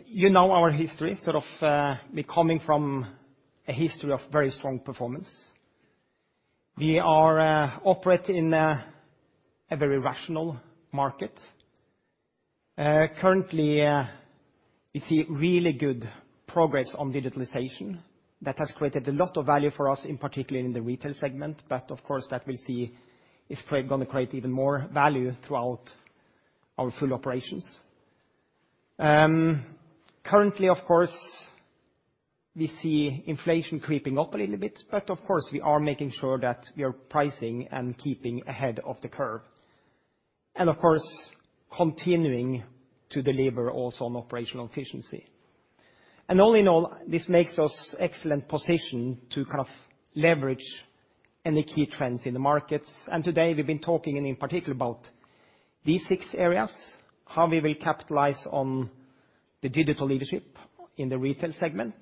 Speaker 3: You know our history, sort of, we're coming from a history of very strong performance. We operate in a very rational market. Currently we see really good progress on digitalization. That has created a lot of value for us, in particular in the retail segment, but of course that we'll see is going to create even more value throughout our full operations. Currently, of course, we see inflation creeping up a little bit, but of course we are making sure that we are pricing and keeping ahead of the curve and, of course, continuing to deliver also on operational efficiency. All in all, this makes us in an excellent position to kind of leverage any key trends in the markets. Today we've been talking and in particular about these six areas, how we will capitalize on the digital leadership in the retail segment,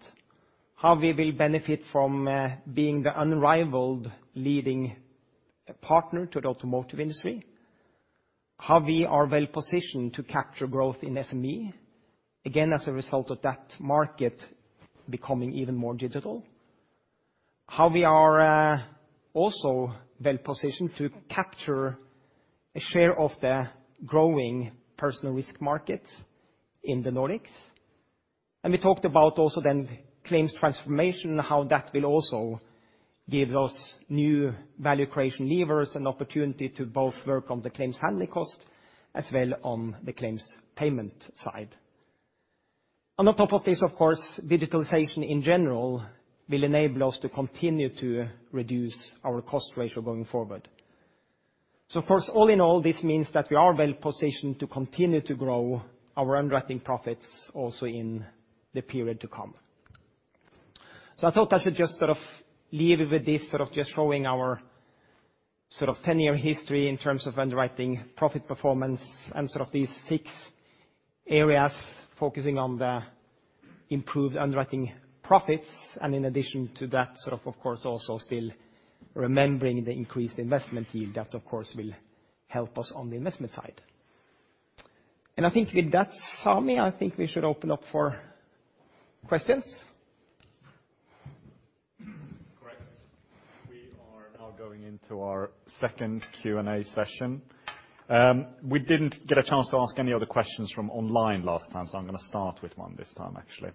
Speaker 3: how we will benefit from being the unrivaled leading partner to the automotive industry, how we are well positioned to capture growth in SME, again, as a result of that market becoming even more digital, how we are also well positioned to capture a share of the growing personal risk market in the Nordics. We talked about also then claims transformation, how that will also give us new value creation levers and opportunity to both work on the claims handling cost as well on the claims payment side. On top of this, of course, digitalization in general will enable us to continue to reduce our cost ratio going forward. First, all in all, this means that we are well positioned to continue to grow our underwriting profits also in the period to come. I thought I should just sort of leave you with this, sort of just showing our sort of ten-year history in terms of underwriting profit performance and sort of these six areas focusing on the improved underwriting profits and in addition to that, sort of course, also still remembering the increased investment yield that, of course, will help us on the investment side. I think with that, Sami, I think we should open up for questions.
Speaker 1: Correct. We are now going into our second Q&A session. We didn't get a chance to ask any of the questions from online last time, so I'm gonna start with one this time actually,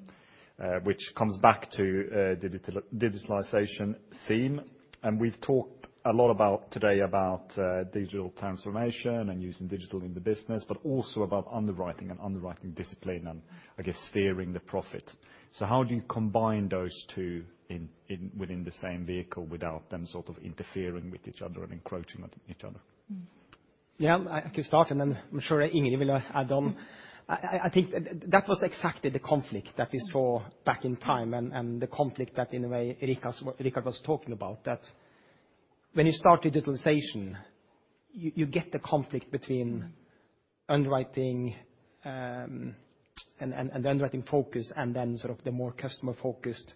Speaker 1: which comes back to digitalization theme. We've talked a lot about digital transformation and using digital in the business today, but also about underwriting and underwriting discipline and, I guess, steering the profit. How do you combine those two within the same vehicle without them sort of interfering with each other and encroaching on each other?
Speaker 14: Yeah, I can start, and then I'm sure Ingrid will add on. I think that was exactly the conflict that we saw back in time and the conflict that in a way Erika was talking about, that when you start digitalization, you get the conflict between underwriting and the underwriting focus and then sort of the more customer focused,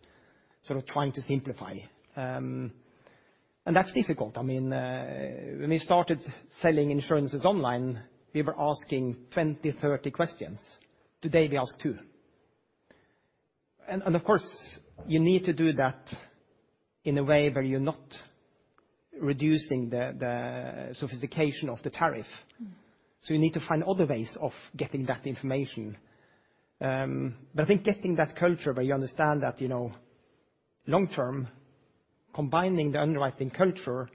Speaker 14: sort of trying to simplify. That's difficult. I mean, when we started selling insurances online, we were asking 20, 30 questions. Today we ask two. Of course you need to do that in a way where you're not reducing the sophistication of the tariff. You need to find other ways of getting that information. I think getting that culture where you understand that, you know, long-term combining the underwriting culture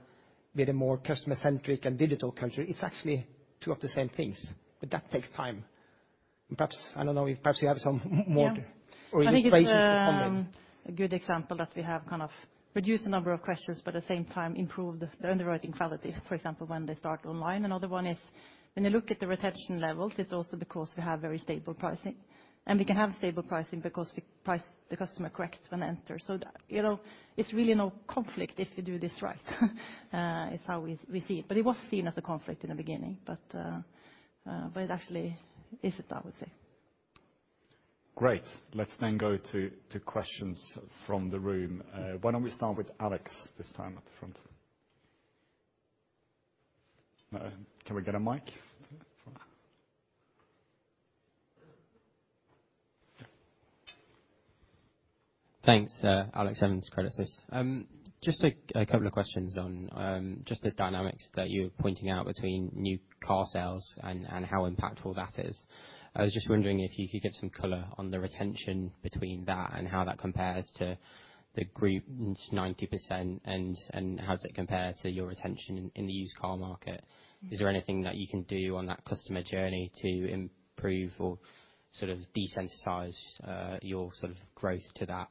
Speaker 14: with a more customer-centric and digital culture, it's actually two of the same things, but that takes time. Perhaps, I don't know, perhaps you have some more
Speaker 15: Yeah
Speaker 14: Inspirations to come in.
Speaker 15: I think it's a good example that we have kind of reduced the number of questions, but at the same time improved the underwriting quality, for example, when they start online. Another one is when you look at the retention levels, it's also because we have very stable pricing. We can have stable pricing because we price the customer correct when enter. You know, it's really no conflict if you do this right, is how we see it, but it was seen as a conflict in the beginning. It actually isn't, I would say.
Speaker 14: Great. Let's then go to questions from the room. Why don't we start with Alex this time at the front? Can we get a mic?
Speaker 16: Thanks. Alex Evans, Credit Suisse. A couple of questions on the dynamics that you're pointing out between new car sales and how impactful that is. I was just wondering if you could give some color on the retention between that and how that compares to the group's 90% and how does it compare to your retention in the used car market? Is there anything that you can do on that customer journey to improve or sort of desensitize your sort of growth to that?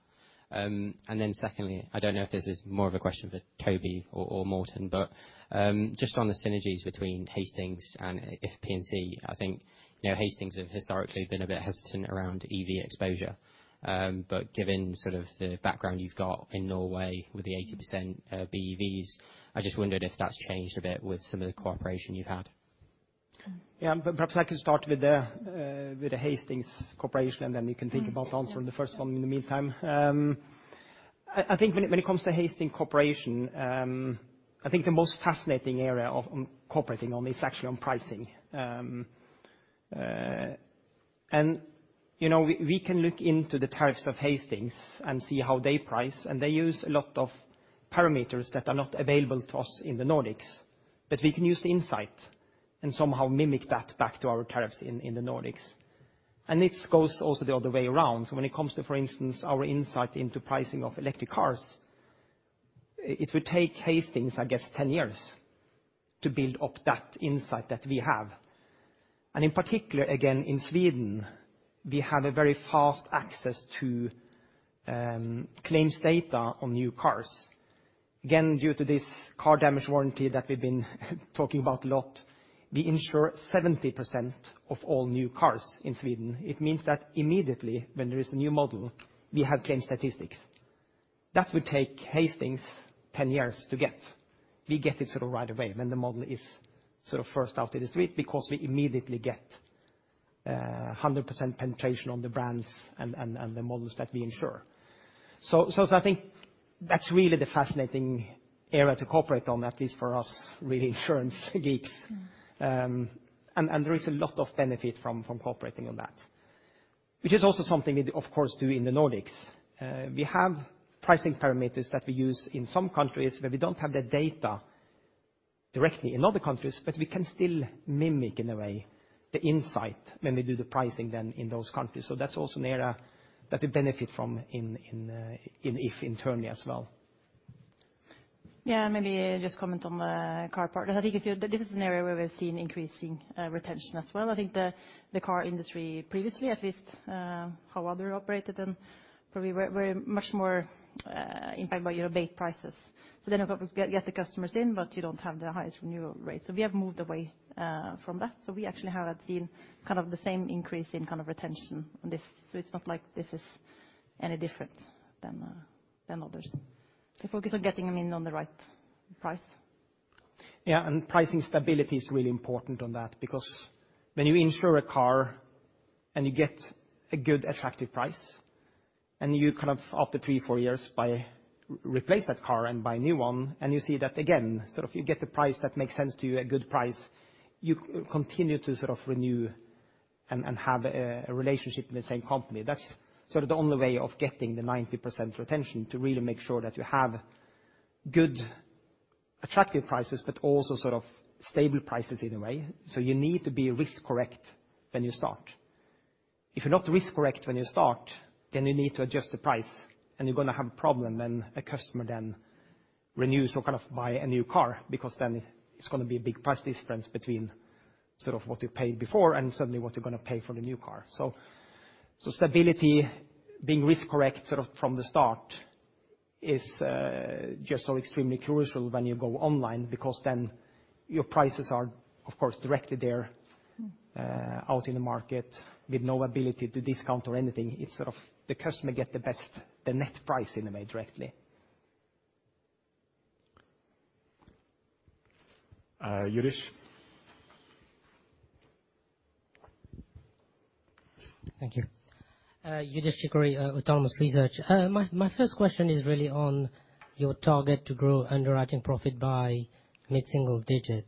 Speaker 16: And then secondly, I don't know if this is more of a question for Toby or Morten, but just on the synergies between Hastings and If P&C. I think, you know, Hastings have historically been a bit hesitant around EV exposure. Given sort of the background you've got in Norway with the 80% BEVs, I just wondered if that's changed a bit with some of the cooperation you've had.
Speaker 14: Yeah. Perhaps I can start with the Hastings cooperation, and then you can think about answering the first one in the meantime. I think when it comes to Hastings cooperation, I think the most fascinating area of cooperating on is actually on pricing. You know, we can look into the tariffs of Hastings and see how they price, and they use a lot of parameters that are not available to us in the Nordics. But we can use the insight and somehow mimic that back to our tariffs in the Nordics. It goes also the other way around. When it comes to, for instance, our insight into pricing of electric cars, it would take Hastings, I guess, 10 years to build up that insight that we have. In particular, again, in Sweden, we have a very fast access to claims data on new cars. Again, due to this collision damage warranty that we've been talking about a lot, we insure 70% of all new cars in Sweden. It means that immediately when there is a new model, we have claim statistics. That would take Hastings 10 years to get. We get it sort of right away when the model is sort of first out in the street because we immediately get 100% penetration on the brands and the models that we insure. I think that's really the fascinating area to cooperate on, at least for us really insurance geeks. There is a lot of benefit from cooperating on that, which is also something we of course do in the Nordics. We have pricing parameters that we use in some countries where we don't have the data directly in other countries, but we can still mimic in a way the insight when we do the pricing then in those countries. That's also an area that we benefit from in If internally as well.
Speaker 15: Yeah. Maybe just comment on the car part. I think this is an area where we're seeing increasing retention as well. I think the car industry previously, at least, how others operated and probably were much more impacted by your bait prices. Of course, get the customers in, but you don't have the highest renewal rate. We have moved away from that. We actually have seen kind of the same increase in kind of retention on this. It's not like this is any different than others. Focus on getting them in on the right price.
Speaker 14: Yeah. Pricing stability is really important on that because when you insure a car and you get a good attractive price, and you kind of after 3, 4 years replace that car and buy a new one, and you see that again, sort of you get the price that makes sense to you, a good price, you continue to sort of renew and have a relationship with the same company. That's sort of the only way of getting the 90% retention to really make sure that you have good, attractive prices, but also sort of stable prices in a way. You need to be risk correct when you start. If you're not risk correct when you start, then you need to adjust the price and you're gonna have a problem when a customer then renews or kind of buy a new car because then it's gonna be a big price difference between sort of what you paid before and suddenly what you're gonna pay for the new car. Stability, being risk correct sort of from the start is just so extremely crucial when you go online because then your prices are of course directly there out in the market with no ability to discount or anything. It's sort of the customer get the best, the net price in a way directly. Youdish.
Speaker 17: Thank you. Youdish Chicooree, Autonomous Research. My first question is really on your target to grow underwriting profit by mid-single digit.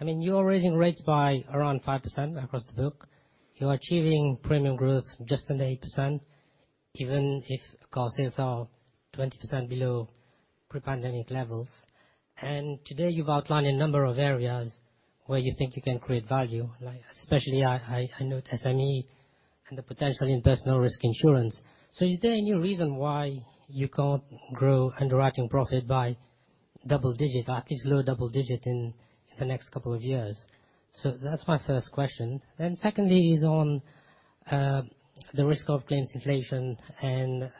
Speaker 17: I mean, you are raising rates by around 5% across the book. You're achieving premium growth just under 8%, even if car sales are 20% below pre-pandemic levels. Today you've outlined a number of areas where you think you can create value, like especially I note SME and the potential in personal risk insurance. Is there any reason why you can't grow underwriting profit by double digit, at least low double digit in the next couple of years? That's my first question. Secondly is on the risk of claims inflation and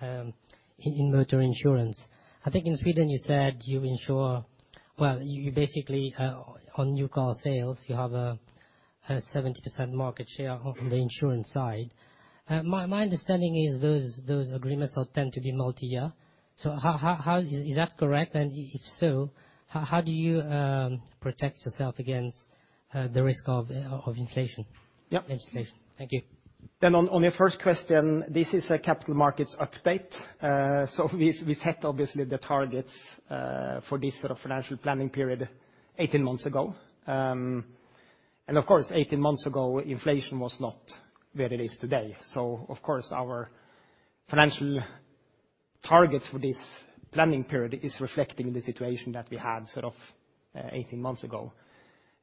Speaker 17: in motor insurance. I think in Sweden you said you insure. Well, you basically, on new car sales, you have a 70% market share on the insurance side. My understanding is those agreements will tend to be multi-year. Is that correct? If so, how do you protect yourself against the risk of inflation?
Speaker 14: Yeah.
Speaker 17: Thanks. Thank you.
Speaker 14: On your first question, this is a capital markets update. We set obviously the targets for this sort of financial planning period 18 months ago. Of course, 18 months ago inflation was not where it is today. Of course, our financial targets for this planning period is reflecting the situation that we had sort of 18 months ago.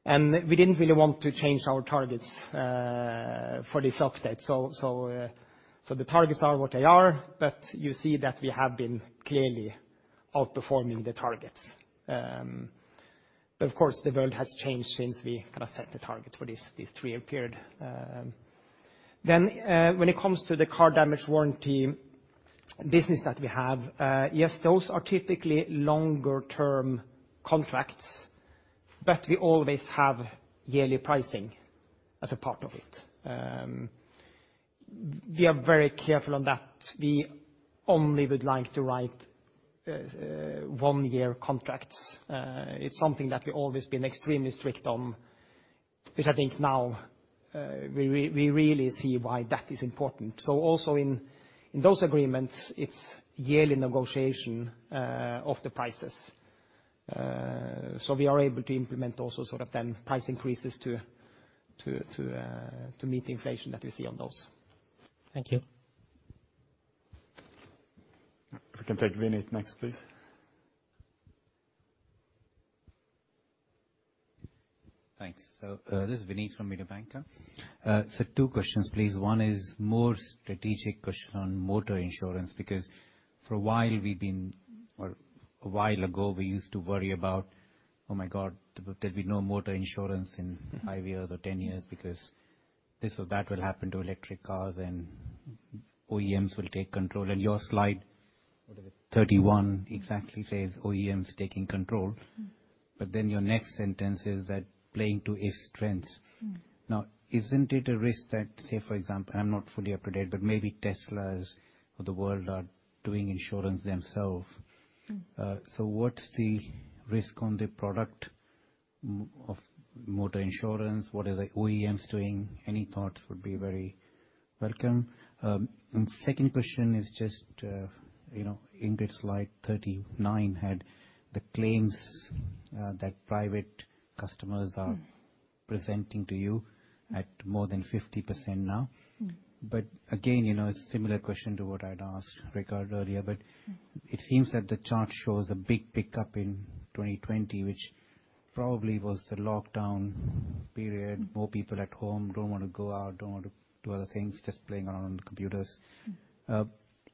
Speaker 14: We didn't really want to change our targets for this update. The targets are what they are, but you see that we have been clearly outperforming the targets. Of course, the world has changed since we kind of set the targets for this three-year period. When it comes to the collision damage warranty business that we have, yes, those are typically longer term contracts, but we always have yearly pricing as a part of it. We are very careful on that. We only would like to write one-year contracts. It's something that we've always been extremely strict on, which I think now we really see why that is important. Also in those agreements, it's yearly negotiation of the prices. We are able to implement also sort of then price increases to meet the inflation that we see on those.
Speaker 17: Thank you.
Speaker 14: We can take Vinit next, please.
Speaker 6: Thanks. This is Vinit from Mediobanca. Two questions please. One is more strategic question on motor insurance, because for a while we've been, or a while ago, we used to worry about, oh my god, there'll be no motor insurance in five years or 10 years because this or that will happen to electric cars and OEMs will take control. Your slide, what is it? 31 exactly says OEMs taking control. Your next sentence is that playing to its strength. Now, isn't it a risk that, say for example, I'm not fully up to date, but maybe Teslas of the world are doing insurance themselves? What's the risk on the product mix of motor insurance? What are the OEMs doing? Any thoughts would be very welcome. Second question is just, you know, in the slide 39 had the claims that private customers are presenting to you at more than 50% now. Again, you know, similar question to what I'd asked Ricard earlier, but it seems that the chart shows a big pickup in 2020, which probably was the lockdown period. More people at home, don't wanna go out, don't want to do other things, just playing around on computers.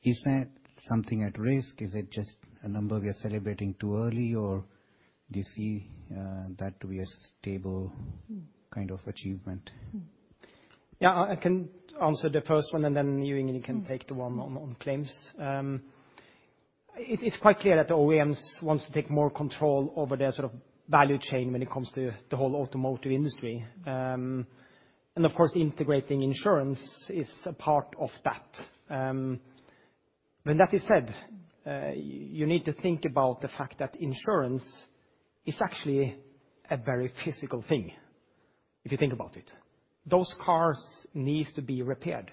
Speaker 6: Is that something at risk? Is it just a number we are celebrating too early, or do you see that to be a stable kind of achievement
Speaker 14: Yeah, I can answer the first one, and then you, Ingrid, can take the one on claims. It's quite clear that the OEMs want to take more control over their sort of value chain when it comes to the whole automotive industry. Of course, integrating insurance is a part of that. When that is said, you need to think about the fact that insurance is actually a very physical thing, if you think about it. Those cars need to be repaired.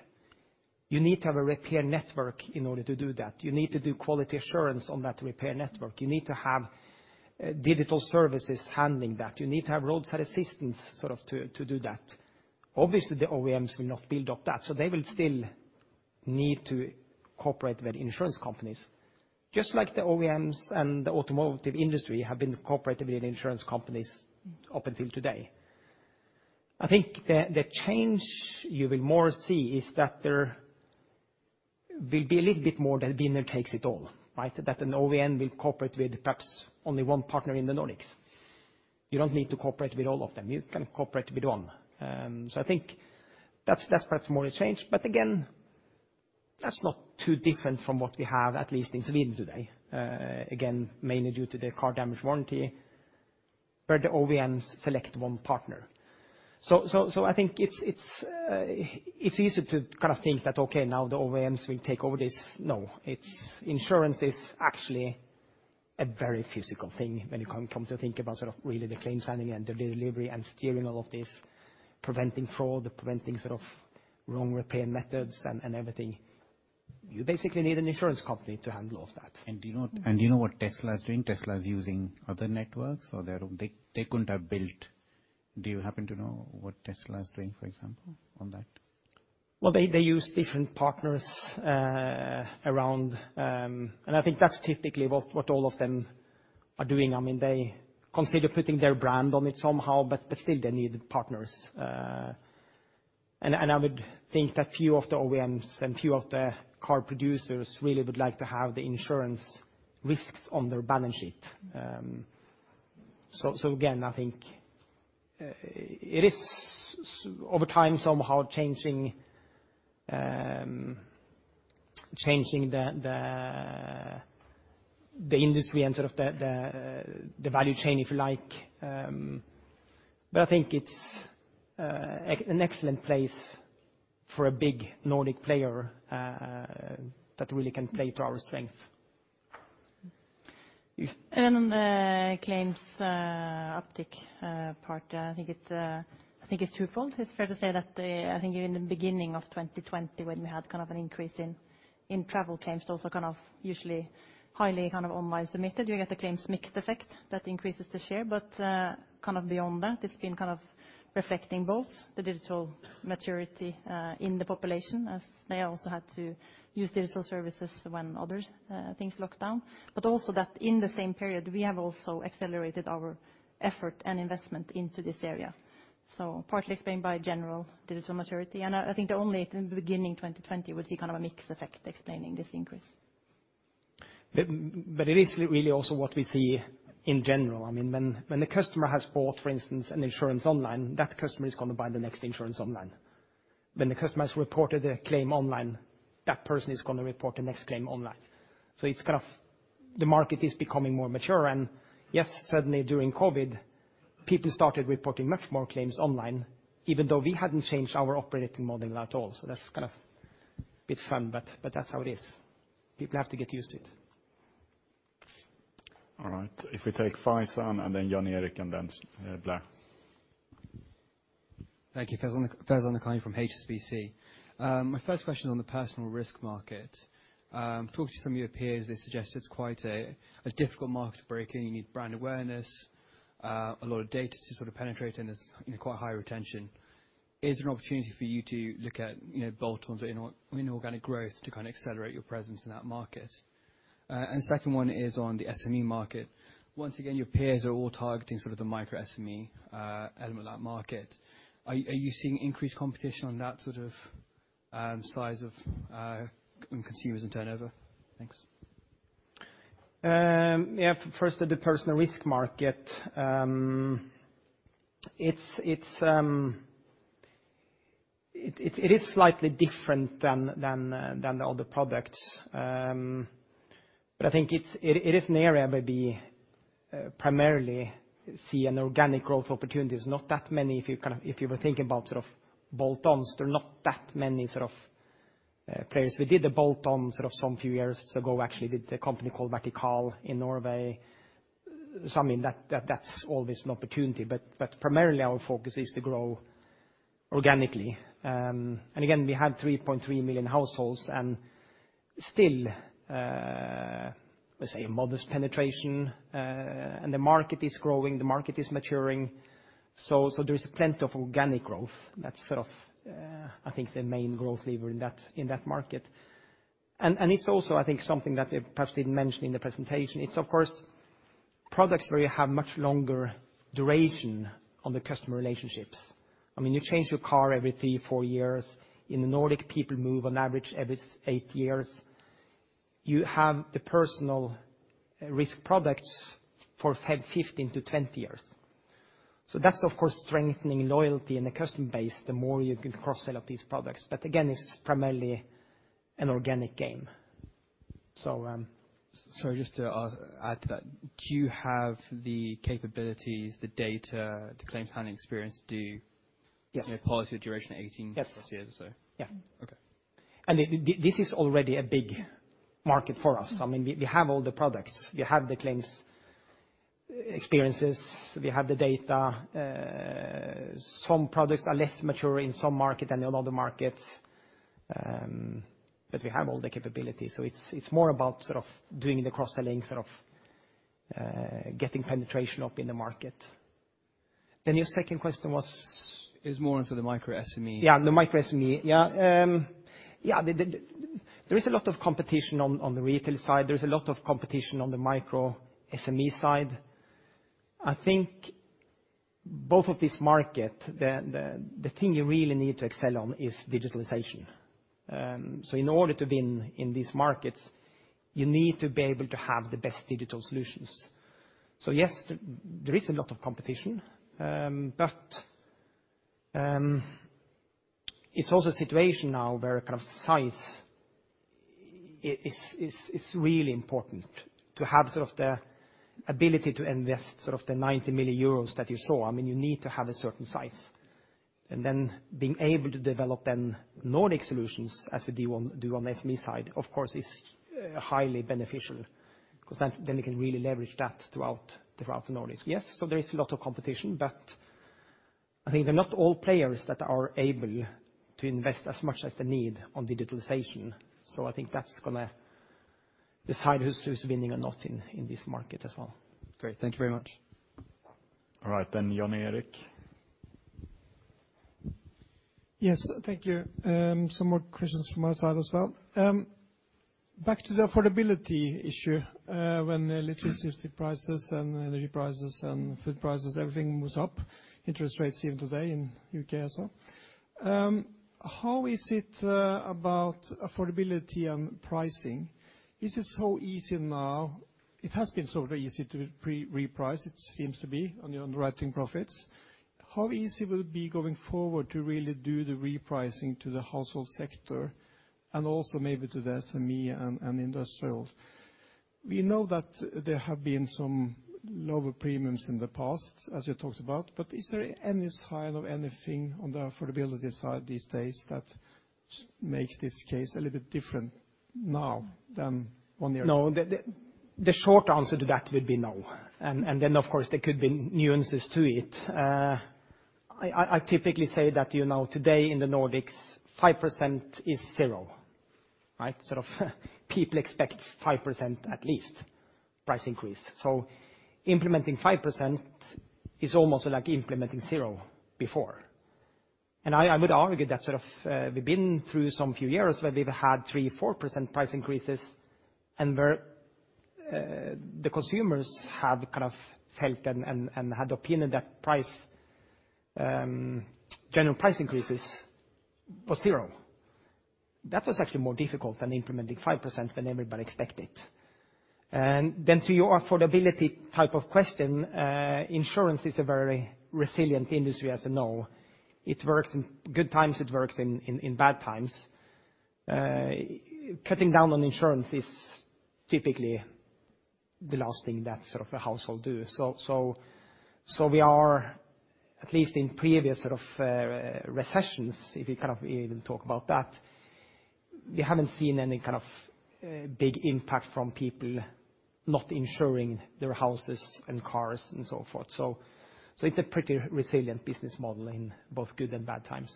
Speaker 14: You need to have a repair network in order to do that. You need to do quality assurance on that repair network. You need to have digital services handling that. You need to have roadside assistance sort of to do that. Obviously, the OEMs will not build up that, so they will still need to cooperate with insurance companies. Just like the OEMs and the automotive industry have been cooperating with insurance companies up until today. I think the change you will more see is that there will be a little bit more that winner takes it all, right? That an OEM will cooperate with perhaps only one partner in the Nordics. You don't need to cooperate with all of them. You can cooperate with one. I think that's perhaps more a change. Again, that's not too different from what we have, at least in Sweden today, again, mainly due to their collision damage warranty, where the OEMs select one partner. I think it's easy to kind of think that, okay, now the OEMs will take over this. No. It's insurance is actually a very physical thing when it come to think about sort of really the claim signing and the delivery and steering all of this, preventing fraud, preventing sort of wrong repair methods and everything. You basically need an insurance company to handle all that.
Speaker 6: Do you know what Tesla is doing? Tesla is using other networks or their own. They couldn't have built. Do you happen to know what Tesla is doing, for example, on that?
Speaker 14: Well, they use different partners around. I think that's typically what all of them are doing. I mean, they consider putting their brand on it somehow, but still they need partners. I would think that few of the OEMs and few of the car producers really would like to have the insurance risks on their balance sheet. So again, I think it is over time somehow changing the industry and sort of the value chain, if you like. But I think it's an excellent place for a big Nordic player that really can play to our strength.
Speaker 15: On the claims uptick part, I think it's twofold. It's fair to say that I think in the beginning of 2020 when we had kind of an increase in travel claims, also kind of usually highly kind of online submitted, you get a claims mixed effect that increases the share. Kind of beyond that, it's been kind of reflecting both the digital maturity in the population as they also had to use digital services when other things locked down. Also that in the same period, we have also accelerated our effort and investment into this area. Partly explained by general digital maturity. I think the only, in the beginning 2020, we see kind of a mixed effect explaining this increase.
Speaker 14: It is really also what we see in general. I mean, when the customer has bought, for instance, an insurance online, that customer is gonna buy the next insurance online. When the customer has reported a claim online, that person is gonna report the next claim online. It's kind of the market is becoming more mature and, yes, suddenly during COVID, people started reporting much more claims online, even though we hadn't changed our operating model at all. That's kind of a bit fun, but that's how it is. People have to get used to it.
Speaker 1: All right. If we take Faizan and then Jan Erik and then Blair.
Speaker 7: Thank you. Faizan Lakhani from HSBC. My first question on the personal risk market. Talking to some of your peers, they suggest it's quite a difficult market to break in. You need brand awareness, a lot of data to sort of penetrate, and there's, you know, quite high retention. Is there an opportunity for you to look at, you know, bolt-ons or in organic growth to kind of accelerate your presence in that market? Second one is on the SME market. Once again, your peers are all targeting sort of the micro SME element of that market. Are you seeing increased competition on that sort of size of consumers and turnover? Thanks.
Speaker 14: Yeah, first at the personal risk market. It is slightly different than the other products. I think it is an area where we primarily see organic growth opportunities, not that many if you kind of, if you were thinking about sort of bolt-ons, there are not that many sort of players. We did the bolt-on sort of some few years ago, actually, with a company called Vertikal in Norway. I mean, that's always an opportunity. Primarily our focus is to grow organically. Again, we have 3.3 million households and still, let's say a modest penetration. The market is growing, the market is maturing. There is plenty of organic growth that's sort of, I think, the main growth lever in that market. It's also, I think, something that perhaps we didn't mention in the presentation. It's of course products where you have much longer duration on the customer relationships. I mean, you change your car every three to four years. In the Nordic, people move on average every eight years. You have the personal risk products for 15-20 years. That's of course strengthening loyalty in the customer base, the more you can cross-sell of these products. But again, it's primarily an organic gain.
Speaker 7: Sorry, just to add to that. Do you have the capabilities, the data, the claims handling experience to policy duration eighteen-
Speaker 14: Yes.
Speaker 7: plus years or so?
Speaker 14: Yeah.
Speaker 7: Okay.
Speaker 14: This is already a big market for us. I mean, we have all the products. We have the claims experiences, we have the data. Some products are less mature in some markets than in other markets, but we have all the capabilities. It's more about sort of doing the cross-selling, sort of, getting penetration up in the market. Your second question was?
Speaker 7: It was more into the micro SME.
Speaker 14: Yeah, the micro SME. Yeah, there is a lot of competition on the retail side. There's a lot of competition on the micro SME side. I think both of this market, the thing you really need to excel on is digitalization. In order to win in these markets, you need to be able to have the best digital solutions. Yes, there is a lot of competition. It's also a situation now where kind of size is really important to have sort of the ability to invest sort of the 90 million euros that you saw. I mean, you need to have a certain size. Being able to develop Nordic solutions as we do on the SME side, of course, is highly beneficial because then we can really leverage that throughout the Nordics. Yes. There is a lot of competition, but I think they're not all players that are able to invest as much as they need on digitalization. I think that's gonna decide who's winning or not in this market as well.
Speaker 7: Great. Thank you very much.
Speaker 1: All right. Jan Erik Gjerland.
Speaker 8: Yes. Thank you. Some more questions from my side as well. Back to the affordability issue, when electricity prices and energy prices and food prices, everything moves up, interest rates even today in UK also. How is it about affordability and pricing? Is it so easy now? It has been sort of easy to reprice, it seems to be on your underwriting profits. How easy will it be going forward to really do the repricing to the household sector and also maybe to the SME and industrials? We know that there have been some lower premiums in the past, as you talked about, but is there any sign of anything on the affordability side these days that makes this case a little bit different now than one year ago?
Speaker 14: No. The short answer to that would be no. Of course there could be nuances to it. I typically say that, you know, today in the Nordics, 5% is zero, right? Sort of people expect 5% at least price increase. So implementing 5% is almost like implementing zero before. I would argue that sort of, we've been through some few years where we've had 3%-4% price increases and where, the consumers have kind of felt and had opinion that price, general price increases was zero. That was actually more difficult than implementing 5% when everybody expect it. To your affordability type of question, insurance is a very resilient industry, as you know. It works in good times, it works in bad times. Cutting down on insurance is typically the last thing that sort of a household do. We are at least in previous sort of recessions, if you kind of even talk about that, we haven't seen any kind of big impact from people not insuring their houses and cars and so forth. It's a pretty resilient business model in both good and bad times.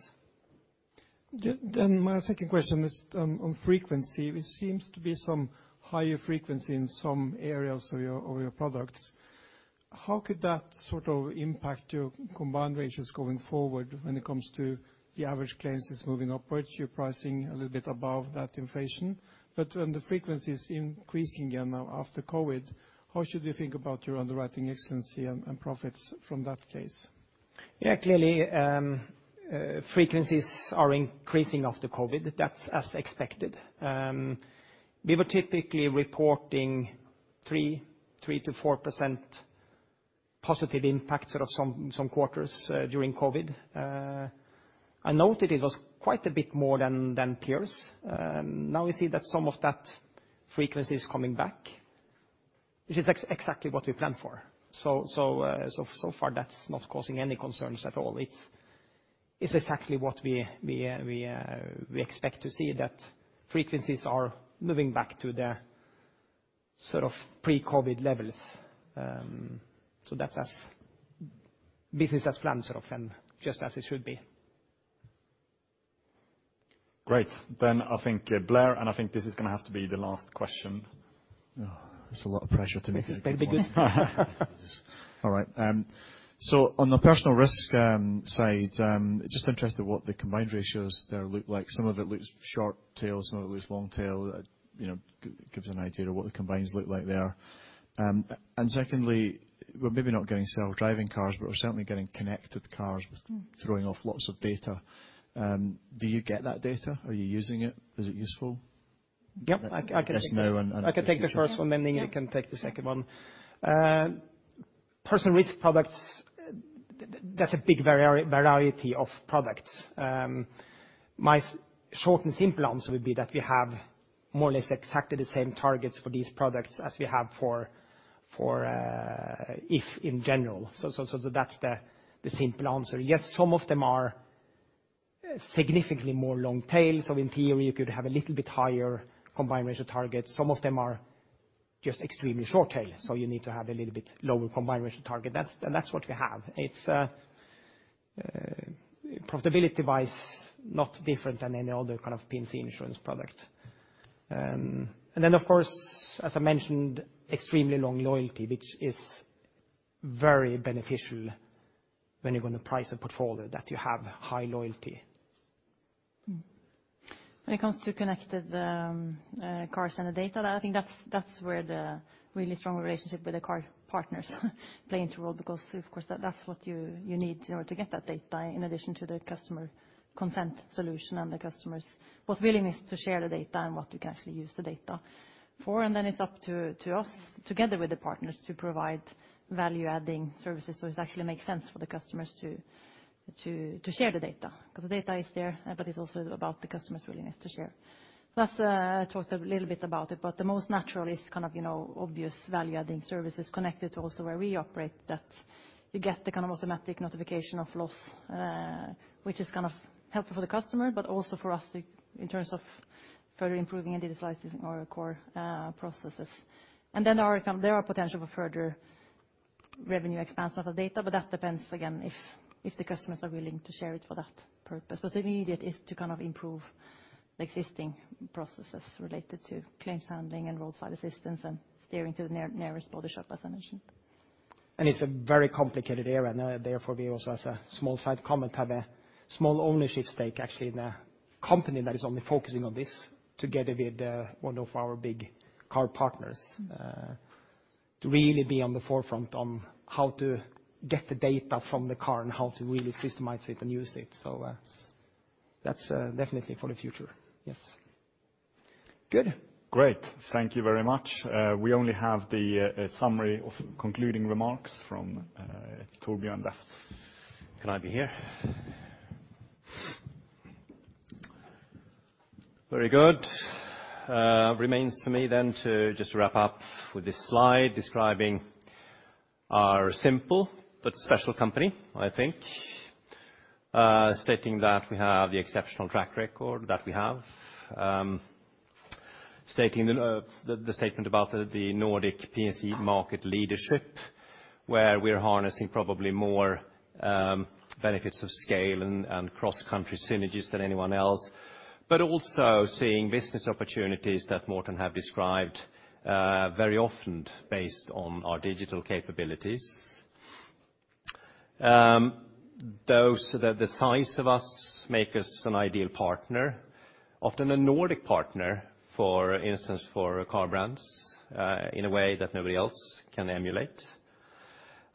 Speaker 8: My second question is on frequency. It seems to be some higher frequency in some areas of your products. How could that sort of impact your combined ratios going forward when it comes to the average claims is moving upwards, you're pricing a little bit above that inflation? But when the frequency is increasing again now after COVID, how should we think about your underwriting excellence and profits from that case?
Speaker 14: Yeah. Clearly, frequencies are increasing after COVID. That's as expected. We were typically reporting 3%-4% positive impact sort of some quarters during COVID. I noted it was quite a bit more than peers. Now we see that some of that frequency is coming back, which is exactly what we planned for. So far that's not causing any concerns at all. It's exactly what we expect to see that frequencies are moving back to the sort of pre-COVID levels. That's as business as planned sort of, and just as it should be.
Speaker 1: Great. I think, Blair, and I think this is gonna have to be the last question.
Speaker 4: Oh, that's a lot of pressure to me.
Speaker 14: That'd be good.
Speaker 4: All right. On the personal risk side, just interested what the combined ratios there look like. Some of it looks short tail, some of it looks long tail. You know, give us an idea of what the combines look like there. Secondly, we're maybe not getting self-driving cars, but we're certainly getting connected cars throwing off lots of data. Do you get that data? Are you using it? Is it useful?
Speaker 14: Yep. I can take the first one, then Ingrid can take the second one. Personal risk products, that's a big variety of products. My short and simple answer would be that we have more or less exactly the same targets for these products as we have for If in general. That's the simple answer. Yes, some of them are significantly more long tail. In theory, you could have a little bit higher combined ratio targets. Some of them are just extremely short tail, so you need to have a little bit lower combined ratio target. That's what we have. It's profitability wise, not different than any other kind of P&C insurance product. Of course, as I mentioned, extremely long loyalty, which is very beneficial when you're gonna price a portfolio that you have high loyalty.
Speaker 15: When it comes to connected cars and the data, I think that's where the really strong relationship with the car partners play into role because of course that's what you need in order to get that data in addition to the customer consent solution and the customers' both willingness to share the data and what you can actually use the data for. Then it's up to us together with the partners to provide value adding services, so it actually makes sense for the customers to share the data. 'Cause the data is there, but it's also about the customer's willingness to share. That's. I talked a little bit about it, but the most natural is kind of, you know, obvious value-adding services connected to also where we operate that you get the kind of automatic notification of loss, which is kind of helpful for the customer, but also for us in terms of further improving and digitalizing our core processes. There are potential for further revenue expansion of the data, but that depends again if the customers are willing to share it for that purpose. What's immediate is to kind of improve the existing processes related to claims handling and roadside assistance and steering to the nearest body shop, as I mentioned.
Speaker 14: It's a very complicated area, and therefore we also, as a small side comment, have a small ownership stake actually in a company that is only focusing on this together with one of our big car partners. To really be on the forefront on how to get the data from the car and how to really systemize it and use it. That's definitely for the future. Yes. Good.
Speaker 1: Great. Thank you very much. We only have the summary of concluding remarks from Torbjörn left.
Speaker 5: Can I be here? Very good. Remains for me then to just wrap up with this slide describing our simple but special company, I think. Stating that we have the exceptional track record that we have. Stating the statement about the Nordic PSE market leadership, where we're harnessing probably more benefits of scale and cross-country synergies than anyone else. But also seeing business opportunities that Morten has described, very often based on our digital capabilities. The size of us makes us an ideal partner, often a Nordic partner, for instance, for car brands, in a way that nobody else can emulate.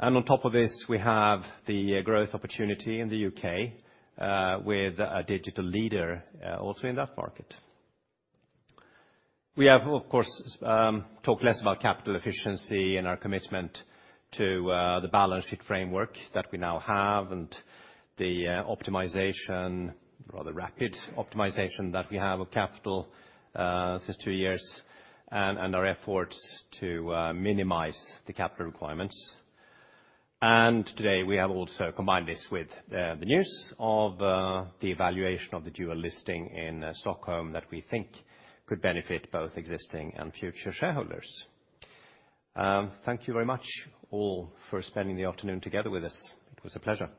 Speaker 5: On top of this, we have the growth opportunity in the UK, with a digital leader, also in that market. We have of course talked less about capital efficiency and our commitment to the balanced framework that we now have and the optimization, rather rapid optimization that we have of capital since two years, and our efforts to minimize the capital requirements. Today, we have also combined this with the news of the evaluation of the dual listing in Stockholm that we think could benefit both existing and future shareholders. Thank you very much all for spending the afternoon together with us. It was a pleasure.